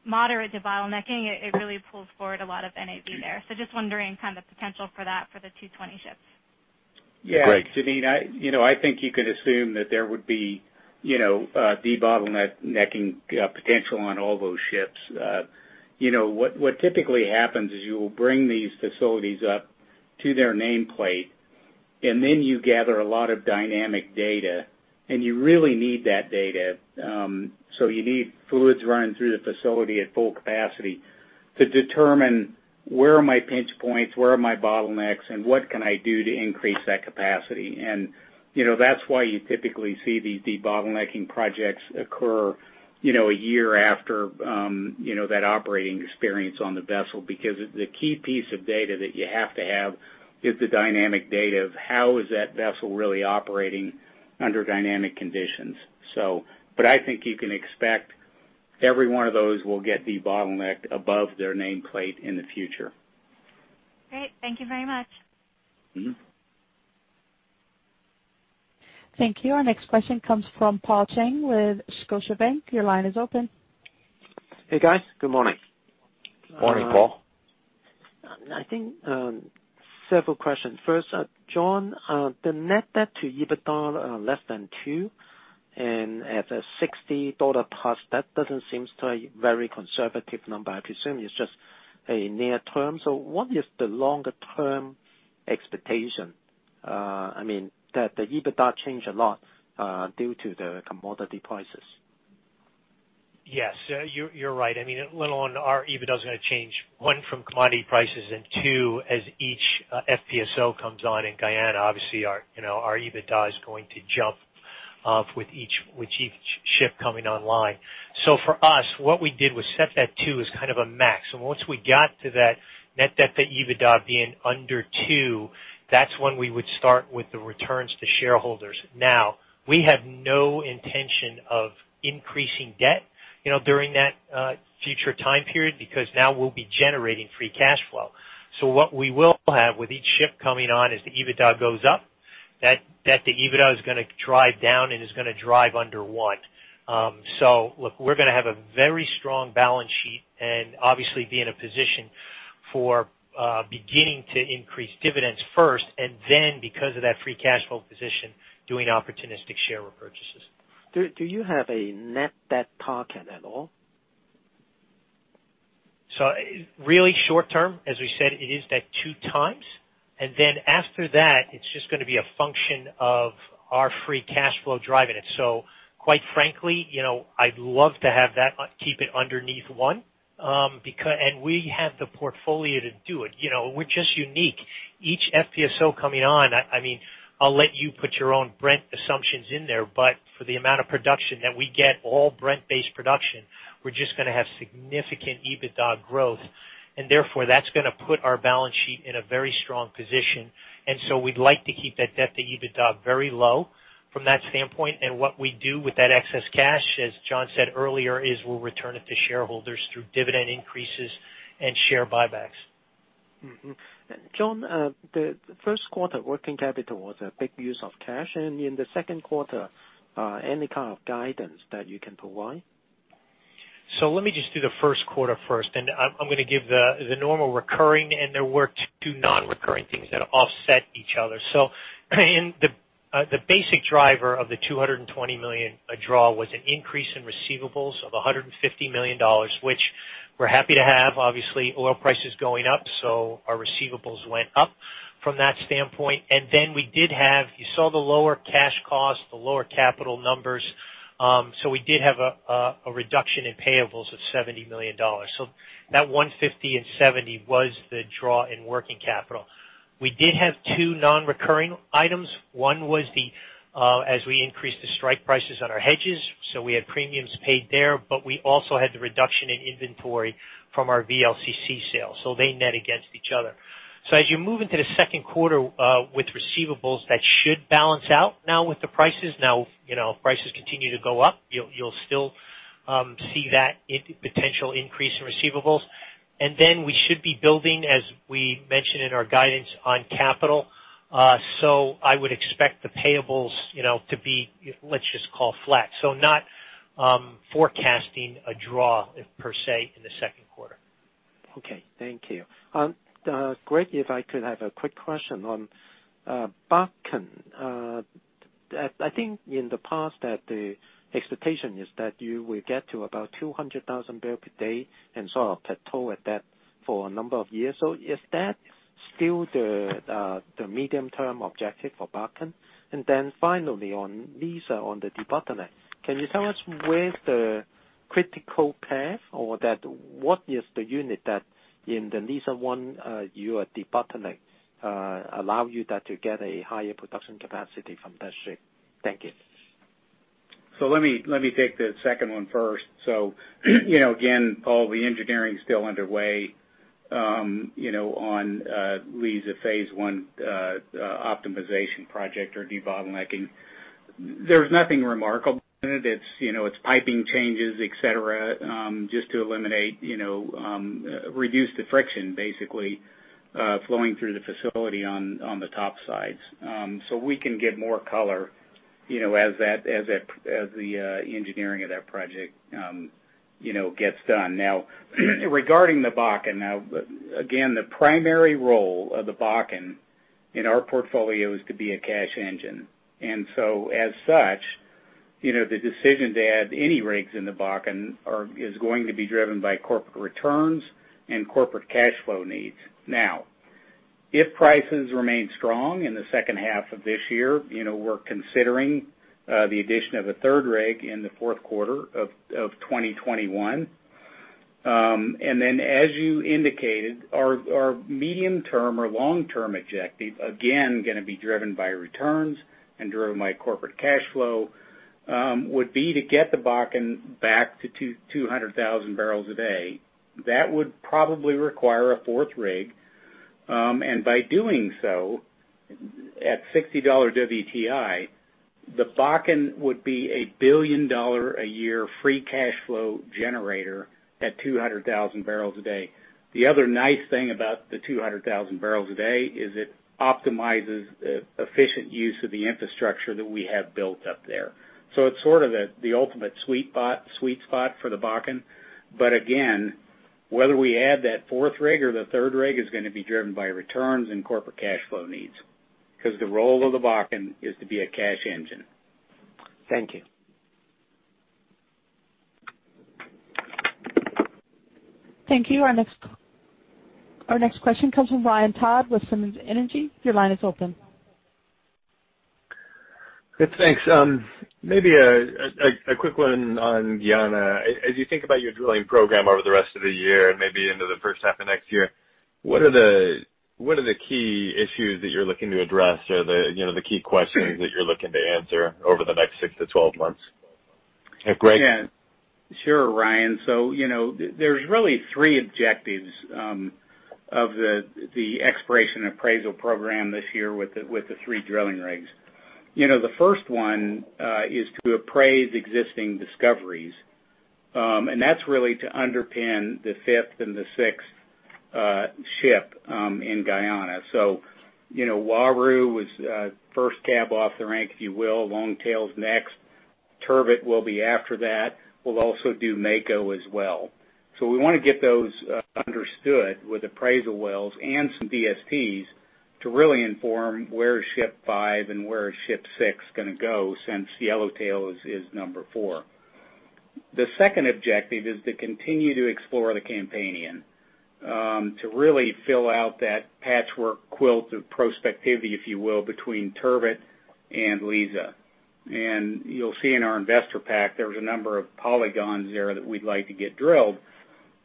moderate de-bottlenecking, it really pulls forward a lot of NAV there. Just wondering potential for that for the 220 ships. Yeah. Greg? Jeanine, I think you could assume that there would be de-bottlenecking potential on all those ships. What typically happens is you'll bring these facilities up to their nameplate, and then you gather a lot of dynamic data, and you really need that data. You need fluids running through the facility at full capacity to determine where are my pinch points, where are my bottlenecks, and what can I do to increase that capacity? That's why you typically see these de-bottlenecking projects occur one year after that operating experience on the vessel, because the key piece of data that you have to have is the dynamic data of how is that vessel really operating under dynamic conditions. I think you can expect every one of those will get de-bottlenecked above their nameplate in the future. Great. Thank you very much. Thank you. Our next question comes from Paul Cheng with Scotiabank. Your line is open. Hey, guys. Good morning. Morning, Paul. I think several questions. First, John, the net debt to EBITDA less than two and at a $60+, that doesn't seem to a very conservative number. I presume it's just a near term. What is the longer-term expectation? I mean, the EBITDA change a lot, due to the commodity prices. Yes, you're right. I mean, let alone our EBITDA is going to change, one, from commodity prices, and two, as each FPSO comes on in Guyana, obviously our EBITDA is going to jump up with each ship coming online. For us, what we did was set that two as kind of a max. Once we got to that net debt to EBITDA being under two, that's when we would start with the returns to shareholders. Now, we have no intention of increasing debt during that future time period, because now we'll be generating free cash flow. What we will have with each ship coming on as the EBITDA goes up, that debt to EBITDA is going to drive down and is going to drive under one. We're going to have a very strong balance sheet and obviously be in a position for beginning to increase dividends first and then because of that free cash flow position, doing opportunistic share repurchases. Do you have a net debt target at all? Really short term, as we said, it is that 2x, and then after that, it's just going to be a function of our free cash flow driving it. Quite frankly, I'd love to have that, keep it underneath one. We have the portfolio to do it. We're just unique. Each FPSO coming on, I'll let you put your own Brent assumptions in there, but for the amount of production that we get, all Brent-based production. We're just going to have significant EBITDA growth, and therefore, that's going to put our balance sheet in a very strong position. We'd like to keep that debt to EBITDA very low from that standpoint. What we do with that excess cash, as John said earlier, is we'll return it to shareholders through dividend increases and share buybacks. John, the first quarter working capital was a big use of cash. In the second quarter, any kind of guidance that you can provide? Let me just do the first quarter first, and I'm going to give the normal recurring and there were two non-recurring things that offset each other. The basic driver of the $220 million draw was an increase in receivables of $150 million, which we're happy to have. Obviously, oil prices going up, so our receivables went up from that standpoint. We did have. You saw the lower cash costs, the lower capital numbers. We did have a reduction in payables of $70 million. That $150 million and $70 million was the draw in working capital. We did have two non-recurring items. One was as we increased the strike prices on our hedges, so we had premiums paid there, but we also had the reduction in inventory from our VLCC sale. They net against each other. As you move into the second quarter with receivables, that should balance out now with the prices. If prices continue to go up, you'll still see that potential increase in receivables. We should be building, as we mentioned in our guidance on capital. I would expect the payables to be, let's just call flat. Not forecasting a draw per se in the second quarter. Okay. Thank you. Greg, if I could have a quick question on Bakken. I think in the past that the expectation is that you will get to about 200,000 bpd and sort of plateau at that for a number of years. Is that still the medium-term objective for Bakken? Finally on Liza, on the debottleneck, can you tell us where the critical path or what is the unit that in the Liza 1, you are debottleneck, allow you that to get a higher production capacity from that ship? Thank you. Let me take the second one first. Again, Paul Cheng, the engineering's still underway on Liza Phase 1 optimization project or debottlenecking. There's nothing remarkable in it. It's piping changes, et cetera, just to eliminate, reduce the friction, basically, flowing through the facility on the top sides. We can get more color as the engineering of that project gets done. Regarding the Bakken. Again, the primary role of the Bakken in our portfolio is to be a cash engine. As such, the decision to add any rigs in the Bakken is going to be driven by corporate returns and corporate cash flow needs. If prices remain strong in the second half of this year, we're considering the addition of a third rig in the fourth quarter of 2021. Then as you indicated, our medium term or long-term objective, again, going to be driven by returns and driven by corporate cash flow, would be to get the Bakken back to 200,000 bpd. That would probably require a fourth rig. And by doing so, at $60 WTI, the Bakken would be a billion-dollar a year free cash flow generator at 200,000 bpd. The other nice thing about the 200,000 bpd is it optimizes efficient use of the infrastructure that we have built up there. So it's sort of the ultimate sweet spot for the Bakken. Again, whether we add that fourth rig or the third rig is going to be driven by returns and corporate cash flow needs, because the role of the Bakken is to be a cash engine. Thank you. Thank you. Our next question comes from Ryan Todd with Piper Sandler. Your line is open. Good, thanks. A quick one on Guyana. As you think about your drilling program over the rest of the year and maybe into the first half of next year. What are the key issues that you're looking to address or the key questions that you're looking to answer over the next six to 12 months? Hey. Greg? Sure, Ryan. There's really three objectives of the exploration appraisal program this year with the three drilling rigs. The first one is to appraise existing discoveries. That's really to underpin the fifth and the sixth ship in Guyana. Uaru was first cab off the rank, if you will. Longtail's next. Turbot will be after that. We'll also do Mako as well. We want to get those understood with appraisal wells and some DSTs to really inform where is ship five and where is ship six going to go, since Yellowtail is number four. The second objective is to continue to explore the Campanian, to really fill out that patchwork quilt of prospectivity, if you will, between Turbot and Liza. You'll see in our investor pack, there was a number of polygons there that we'd like to get drilled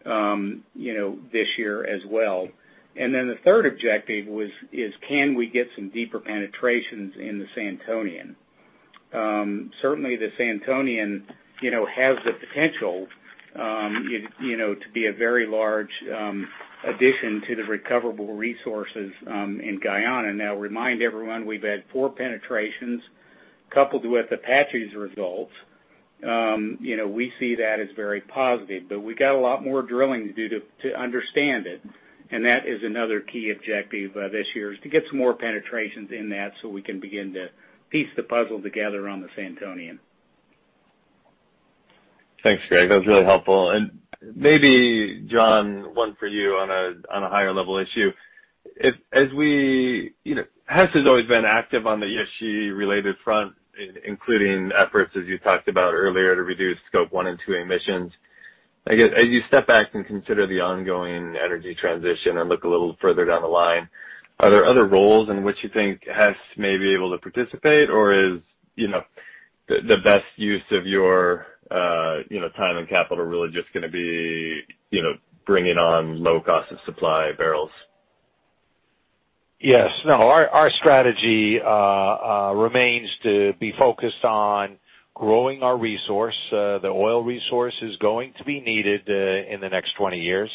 this year as well. The third objective is can we get some deeper penetrations in the Santonian? Certainly, the Santonian has the potential to be a very large addition to the recoverable resources in Guyana. Now remind everyone, we've had four penetrations coupled with Apache's results. We see that as very positive, but we got a lot more drilling to do to understand it. That is another key objective this year is to get some more penetrations in that so we can begin to piece the puzzle together on the Santonian. Thanks, Greg. That was really helpful. Maybe John, one for you on a higher level issue. Hess has always been active on the ESG-related front, including efforts, as you talked about earlier, to reduce Scope 1 and 2 emissions. As you step back and consider the ongoing energy transition and look a little further down the line. Are there other roles in which you think Hess may be able to participate? Is the best use of your time and capital really just going to be bringing on low cost of supply barrels? Yes. No, our strategy remains to be focused on growing our resource. The oil resource is going to be needed in the next 20 years.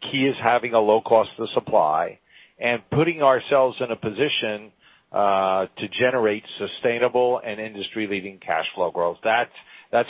Key is having a low cost of supply and putting ourselves in a position to generate sustainable and industry-leading cash flow growth. That's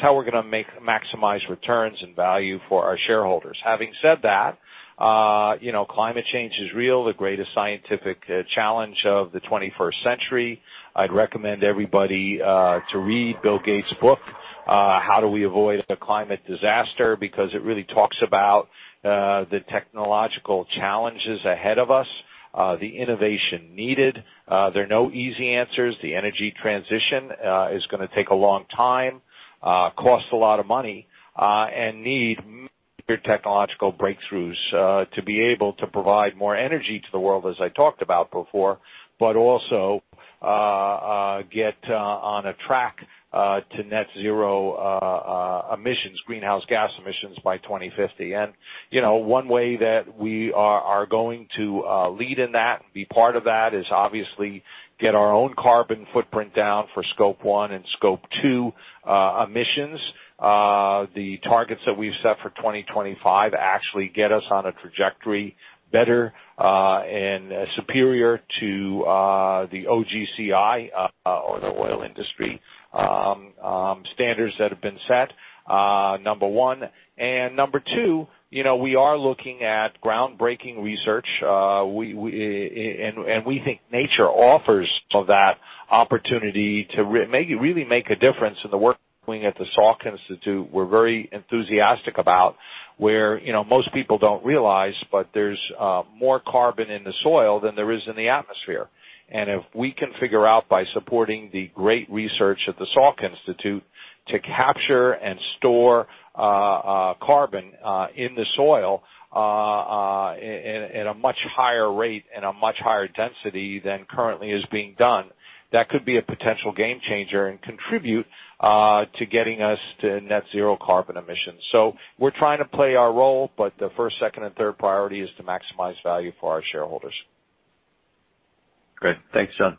how we're going to maximize returns and value for our shareholders. Having said that, climate change is real, the greatest scientific challenge of the 21st century. I'd recommend everybody to read Bill Gates' book, How to Avoid a Climate Disaster. It really talks about the technological challenges ahead of us, the innovation needed. There are no easy answers. The energy transition is going to take a long time, cost a lot of money, and need technological breakthroughs to be able to provide more energy to the world, as I talked about before. But also get on a track to net zero emissions, greenhouse gas emissions by 2050. One way that we are going to lead in that and be part of that is obviously get our own carbon footprint down for Scope 1 and Scope 2 emissions. The targets that we've set for 2025 actually get us on a trajectory better and superior to the OGCI, or the oil industry standards that have been set, number one. Number two, we are looking at groundbreaking research. We think nature offers some of that opportunity to really make a difference in the work at the Salk Institute we're very enthusiastic about, where most people don't realize, but there's more carbon in the soil than there is in the atmosphere. If we can figure out by supporting the great research at the Salk Institute to capture and store carbon in the soil at a much higher rate and a much higher density than currently is being done, that could be a potential game changer and contribute to getting us to net zero carbon emissions. We're trying to play our role, but the first, second, and third priority is to maximize value for our shareholders. Great. Thanks, John.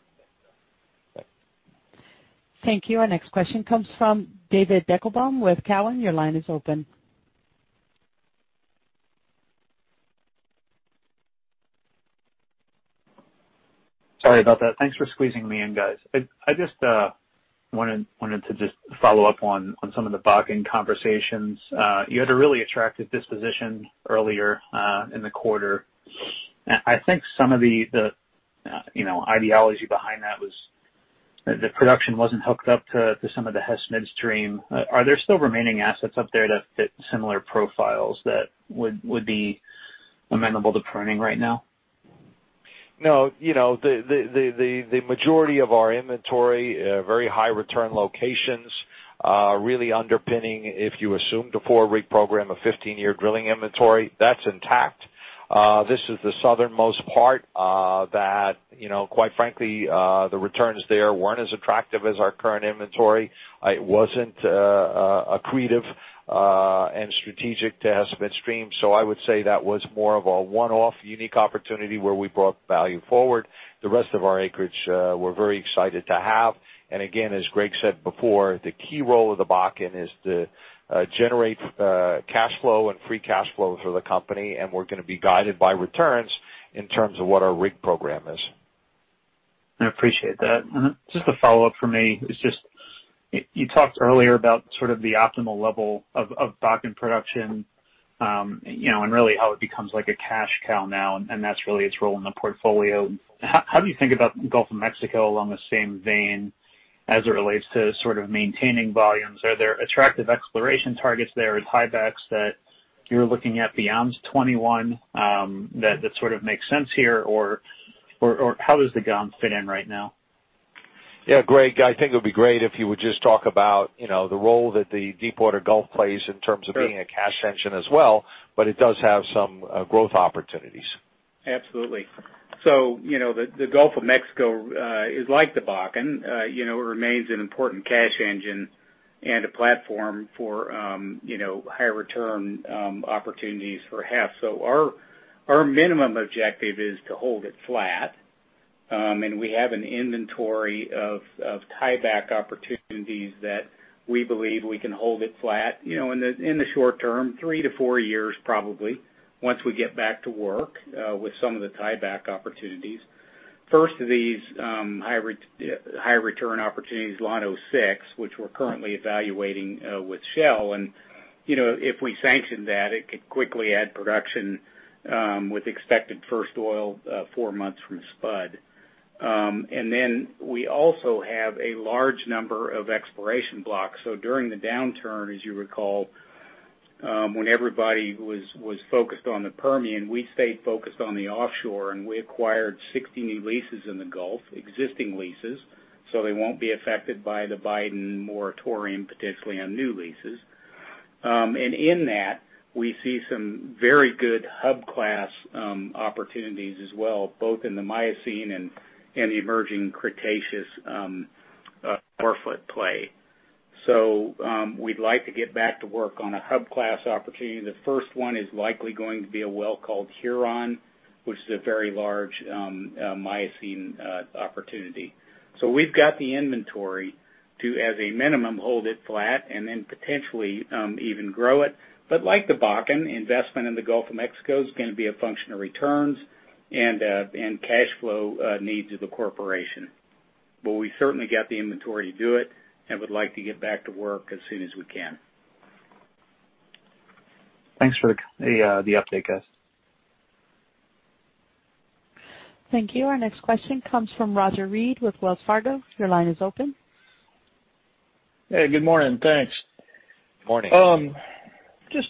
Thank you. Our next question comes from David Deckelbaum with Cowen. Your line is open. Sorry about that. Thanks for squeezing me in, guys. I just wanted to just follow up on some of the Bakken conversations. You had a really attractive disposition earlier in the quarter. I think some of the ideology behind that was the production wasn't hooked up to some of the Hess Midstream. Are there still remaining assets up there that fit similar profiles that would be amenable to pruning right now? No. The majority of our inventory are very high return locations, really underpinning, if you assume the four rig program, a 15-year drilling inventory. That's intact. This is the southernmost part that quite frankly, the returns there weren't as attractive as our current inventory. It wasn't accretive and strategic to Hess Midstream. I would say that was more of a one-off unique opportunity where we brought value forward. The rest of our acreage we're very excited to have. Again, as Greg said before, the key role of the Bakken is to generate cash flow and free cash flow for the company, and we're going to be guided by returns in terms of what our rig program is. I appreciate that. Just a follow-up from me is, you talked earlier about the optimal level of Bakken production, and really how it becomes like a cash cow now, and that's really its role in the portfolio. How do you think about the Gulf of Mexico along the same vein as it relates to maintaining volumes? Are there attractive exploration targets there with tiebacks that you're looking at beyond 2021 that sort of makes sense here? How does the GOM fit in right now? Yeah, Greg, I think it would be great if you would just talk about the role that the Deepwater Gulf plays in terms of being a cash engine as well. It does have some growth opportunities. Absolutely. The Gulf of Mexico is like the Bakken. It remains an important cash engine and a platform for higher return opportunities for Hess. Our minimum objective is to hold it flat. We have an inventory of tieback opportunities that we believe we can hold it flat in the short term, three to four years probably, once we get back to work with some of the tieback opportunities. First of these higher return opportunities, Llano-6, which we're currently evaluating with Shell, and if we sanction that, it could quickly add production with expected first oil four months from spud. We also have a large number of exploration blocks. During the downturn, as you recall, when everybody was focused on the Permian, we stayed focused on the offshore, and we acquired 60 new leases in the Gulf, existing leases. So they won't be affected by the Biden moratorium potentially on new leases. In that, we see some very good hub class opportunities as well, both in the Miocene and the emerging Cretaceous per foot play. We'd like to get back to work on a hub class opportunity. The first one is likely going to be a well called Huron, which is a very large Miocene opportunity. We've got the inventory to, as a minimum, hold it flat and then potentially even grow it. Like the Bakken, investment in the Gulf of Mexico is going to be a function of returns and cash flow needs of the corporation. We certainly got the inventory to do it and would like to get back to work as soon as we can. Thanks for the update, guys. Thank you. Our next question comes from Roger Read with Wells Fargo. Your line is open. Hey, good morning. Thanks. Morning. Just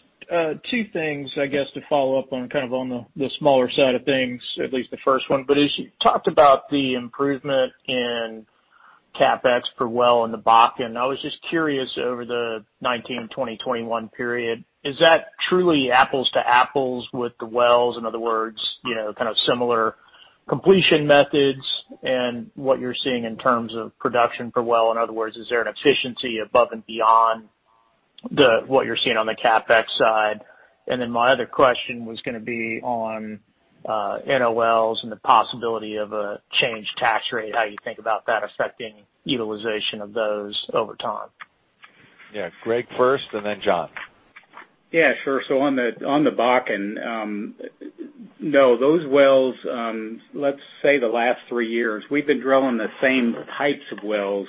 two things, I guess, to follow up on, kind of on the smaller side of things, at least the first one. As you talked about the improvement in CapEx per well in the Bakken, I was just curious, over the 2019, 2020, 2021 period, is that truly apples to apples with the wells? In other words, kind of similar completion methods and what you're seeing in terms of production per well. In other words, is there an efficiency above and beyond what you're seeing on the CapEx side? Then my other question was going to be on NOLs and the possibility of a changed tax rate, how you think about that affecting utilization of those over time. Yeah. Greg first, and then John. Yeah, sure. On the Bakken. No, those wells, let's say the last three years, we've been drilling the same types of wells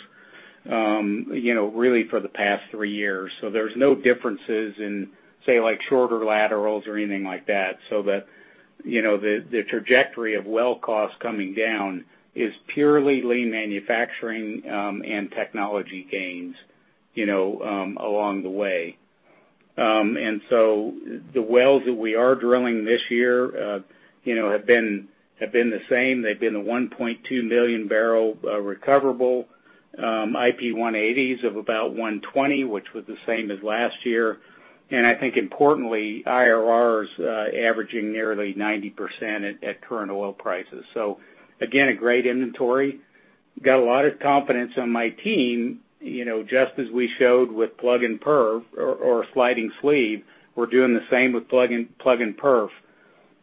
really for the past three years. There's no differences in, say, like shorter laterals or anything like that. The trajectory of well cost coming down is purely lean manufacturing and technology gains along the way. The wells that we are drilling this year have been the same. They've been a 1.2 million bbl recoverable IP 180s of about 120, which was the same as last year. I think importantly, IRRs averaging nearly 90% at current oil prices. Again, a great inventory. Got a lot of confidence on my team. Just as we showed with plug and perf or sliding sleeve, we're doing the same with plug and perf.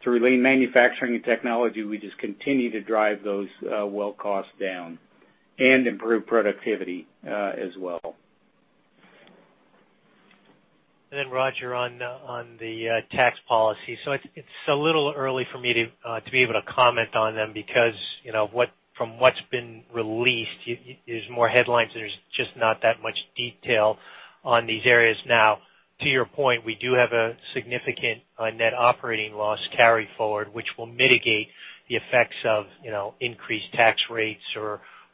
Through lean manufacturing and technology, we just continue to drive those well costs down and improve productivity as well. Roger, on the tax policy. It's a little early for me to be able to comment on them because from what's been released, there's more headlines and there's just not that much detail on these areas. To your point, we do have a significant net operating loss carry forward, which will mitigate the effects of increased tax rates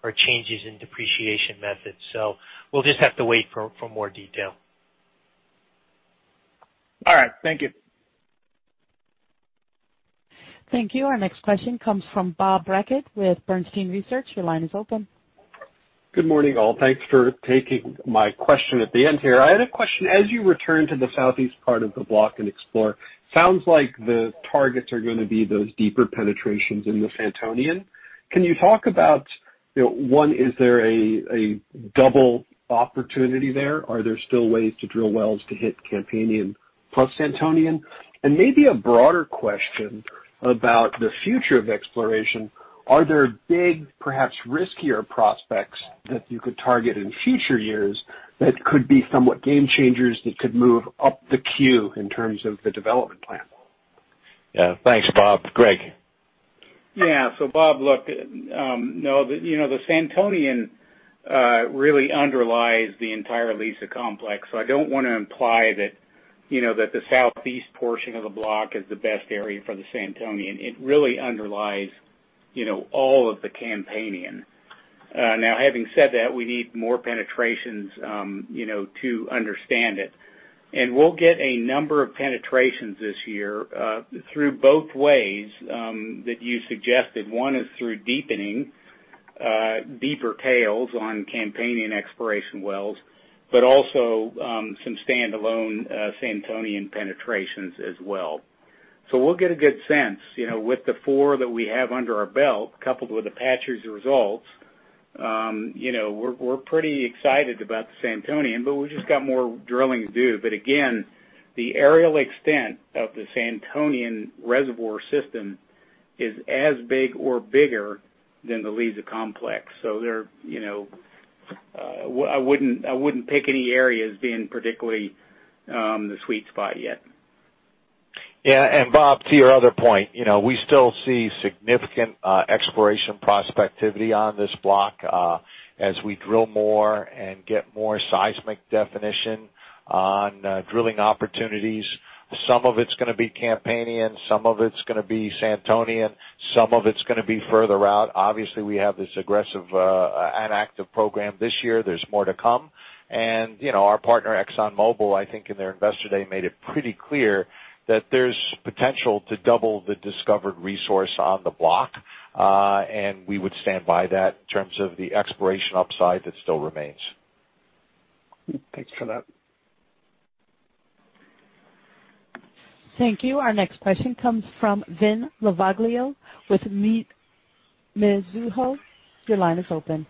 or changes in depreciation methods. We'll just have to wait for more detail. All right. Thank you. Thank you. Our next question comes from Bob Brackett with Bernstein Research. Your line is open. Good morning, all. Thanks for taking my question at the end here. I had a question. As you return to the Southeast part of the block and explore, sounds like the targets are going to be those deeper penetrations in the Santonian. Can you talk about, one, is there a double opportunity there? Are there still ways to drill wells to hit Campanian plus Santonian? Maybe a broader question about the future of exploration. Are there big, perhaps riskier prospects that you could target in future years that could be somewhat game changers that could move up the queue in terms of the development plan? Yeah. Thanks, Bob. Greg? Yeah. Bob, look, the Santonian really underlies the entire Liza complex. I don't want to imply that the Southeast portion of the block is the best area for the Santonian. It really underlies all of the Campanian. Now, having said that, we need more penetrations to understand it. We'll get a number of penetrations this year through both ways that you suggested. One is through deepening, deeper tails on Campanian exploration wells, but also some standalone Santonian penetrations as well. We'll get a good sense. With the four that we have under our belt, coupled with Apache's results, we're pretty excited about the Santonian, but we've just got more drilling to do. Again, the areal extent of the Santonian reservoir system is as big or bigger than the Liza complex. I wouldn't pick any areas being particularly the sweet spot yet. Yeah. Bob, to your other point, we still see significant exploration prospectivity on this block as we drill more and get more seismic definition on drilling opportunities. Some of it's going to be Campanian, some of it's going to be Santonian, some of it's going to be further out. Obviously, we have this aggressive and active program this year. There's more to come. Our partner, ExxonMobil, I think in their investor day, made it pretty clear that there's potential to double the discovered resource on the block. We would stand by that in terms of the exploration upside that still remains. Thanks for that. Thank you. Our next question comes from Vin Lovaglio with Mizuho. Your line is open.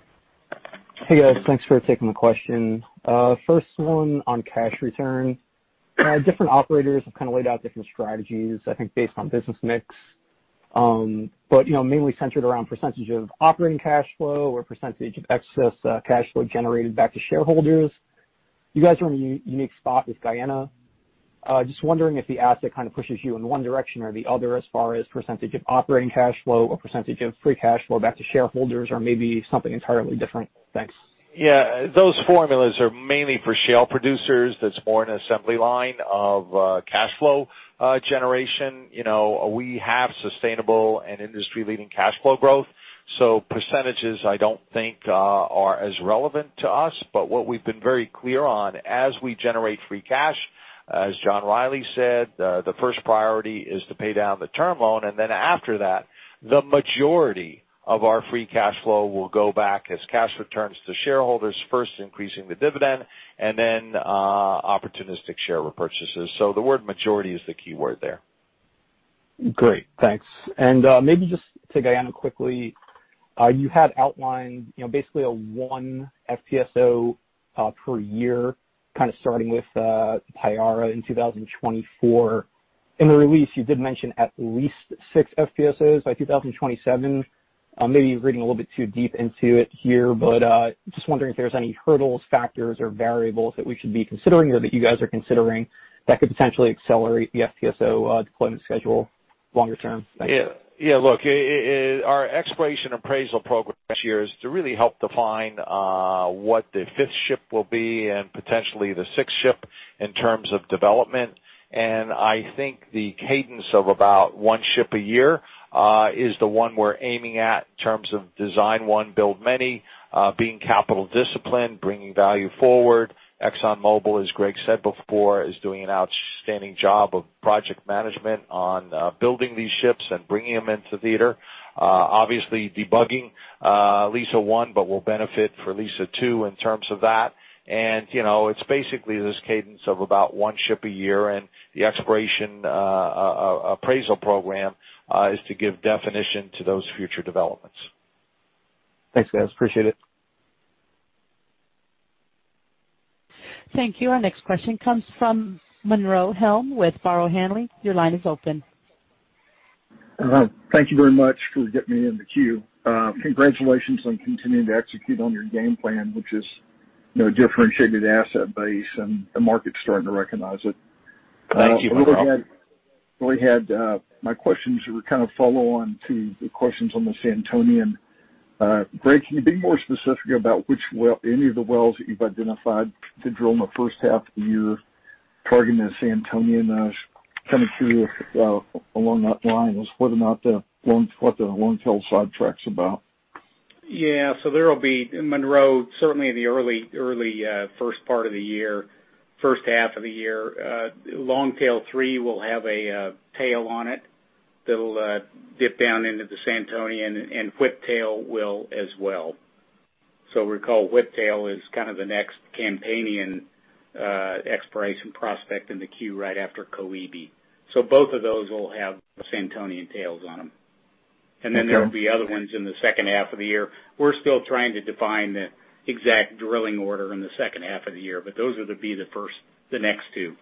Hey, guys. Thanks for taking the question. First one on cash return. Different operators have laid out different strategies, I think, based on business mix, but mainly centered around percentage of operating cash flow or percentage of excess cash flow generated back to shareholders. You guys are in a unique spot with Guyana. Just wondering if the asset pushes you in one direction or the other as far as percentage of operating cash flow or percentage of free cash flow back to shareholders, or maybe something entirely different? Thanks. Yeah. Those formulas are mainly for shale producers. That's more an assembly line of cash flow generation. We have sustainable and industry-leading cash flow growth. Percentages, I don't think are as relevant to us. What we've been very clear on, as we generate free cash, as John Rielly said, the first priority is to pay down the term loan, and then after that. The majority of our free cash flow will go back as cash returns to shareholders, first increasing the dividend and then opportunistic share repurchases. The word majority is the key word there. Great. Thanks. Maybe just to Guyana quickly, you had outlined basically one FPSO per year, starting with Payara in 2024. In the release, you did mention at least six FPSOs by 2027. Maybe reading a little bit too deep into it here, just wondering if there's any hurdles, factors, or variables that we should be considering or that you guys are considering that could potentially accelerate the FPSO deployment schedule longer term? Thanks. Yeah. Look, our exploration appraisal program this year is to really help define what the fifth ship will be and potentially the sixth ship in terms of development. I think the cadence of about one ship a year is the one we're aiming at in terms of design one, build many, being capital disciplined, bringing value forward. ExxonMobil, as Greg said before, is doing an outstanding job of project management on building these ships and bringing them into theater. Obviously debugging Liza 1, will benefit for Liza 2 in terms of that. It's basically this cadence of about one ship a year, and the exploration appraisal program is to give definition to those future developments. Thanks, guys. Appreciate it. Thank you. Our next question comes from Monroe Helm with Barrow Hanley. Your line is open. Thank you very much for getting me in the queue. Congratulations on continuing to execute on your game plan, which is differentiated asset base, and the market's starting to recognize it. Thanks. You bet. I really had my questions were kind of follow on to the questions on the Santonian. Greg, can you be more specific about which well, any of the wells that you've identified to drill in the first half of the year targeting the Santonian? Just curious along that line is what the Longtail sidetrack's about. Yeah. There will be, Monroe, certainly in the early first part of the year, first half of the year, Longtail-3 will have a tail on it that'll dip down into the Santonian, and Whiptail will as well. Recall, Whiptail is the next Campanian exploration prospect in the queue right after Koebi. Both of those will have Santonian tails on them. Okay. There will be other ones in the second half of the year. We're still trying to define the exact drilling order in the second half of the year, but those are to be the first, the next two.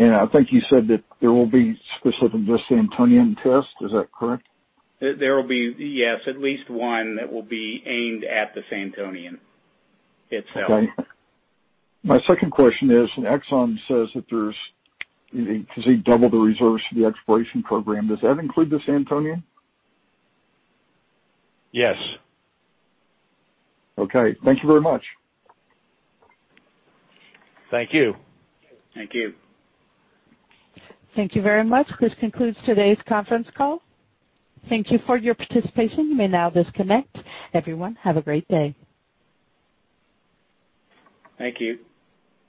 I think you said that there will be specific to the Santonian test. Is that correct? There will be, yes, at least one that will be aimed at the Santonian itself. Okay. My second question is, Exxon says that there's, because they doubled the reserves for the exploration program. Does that include the Santonian? Yes. Okay. Thank you very much. Thank you. Thank you. Thank you very much. This concludes today's conference call. Thank you for your participation. You may now disconnect. Everyone, have a great day. Thank you.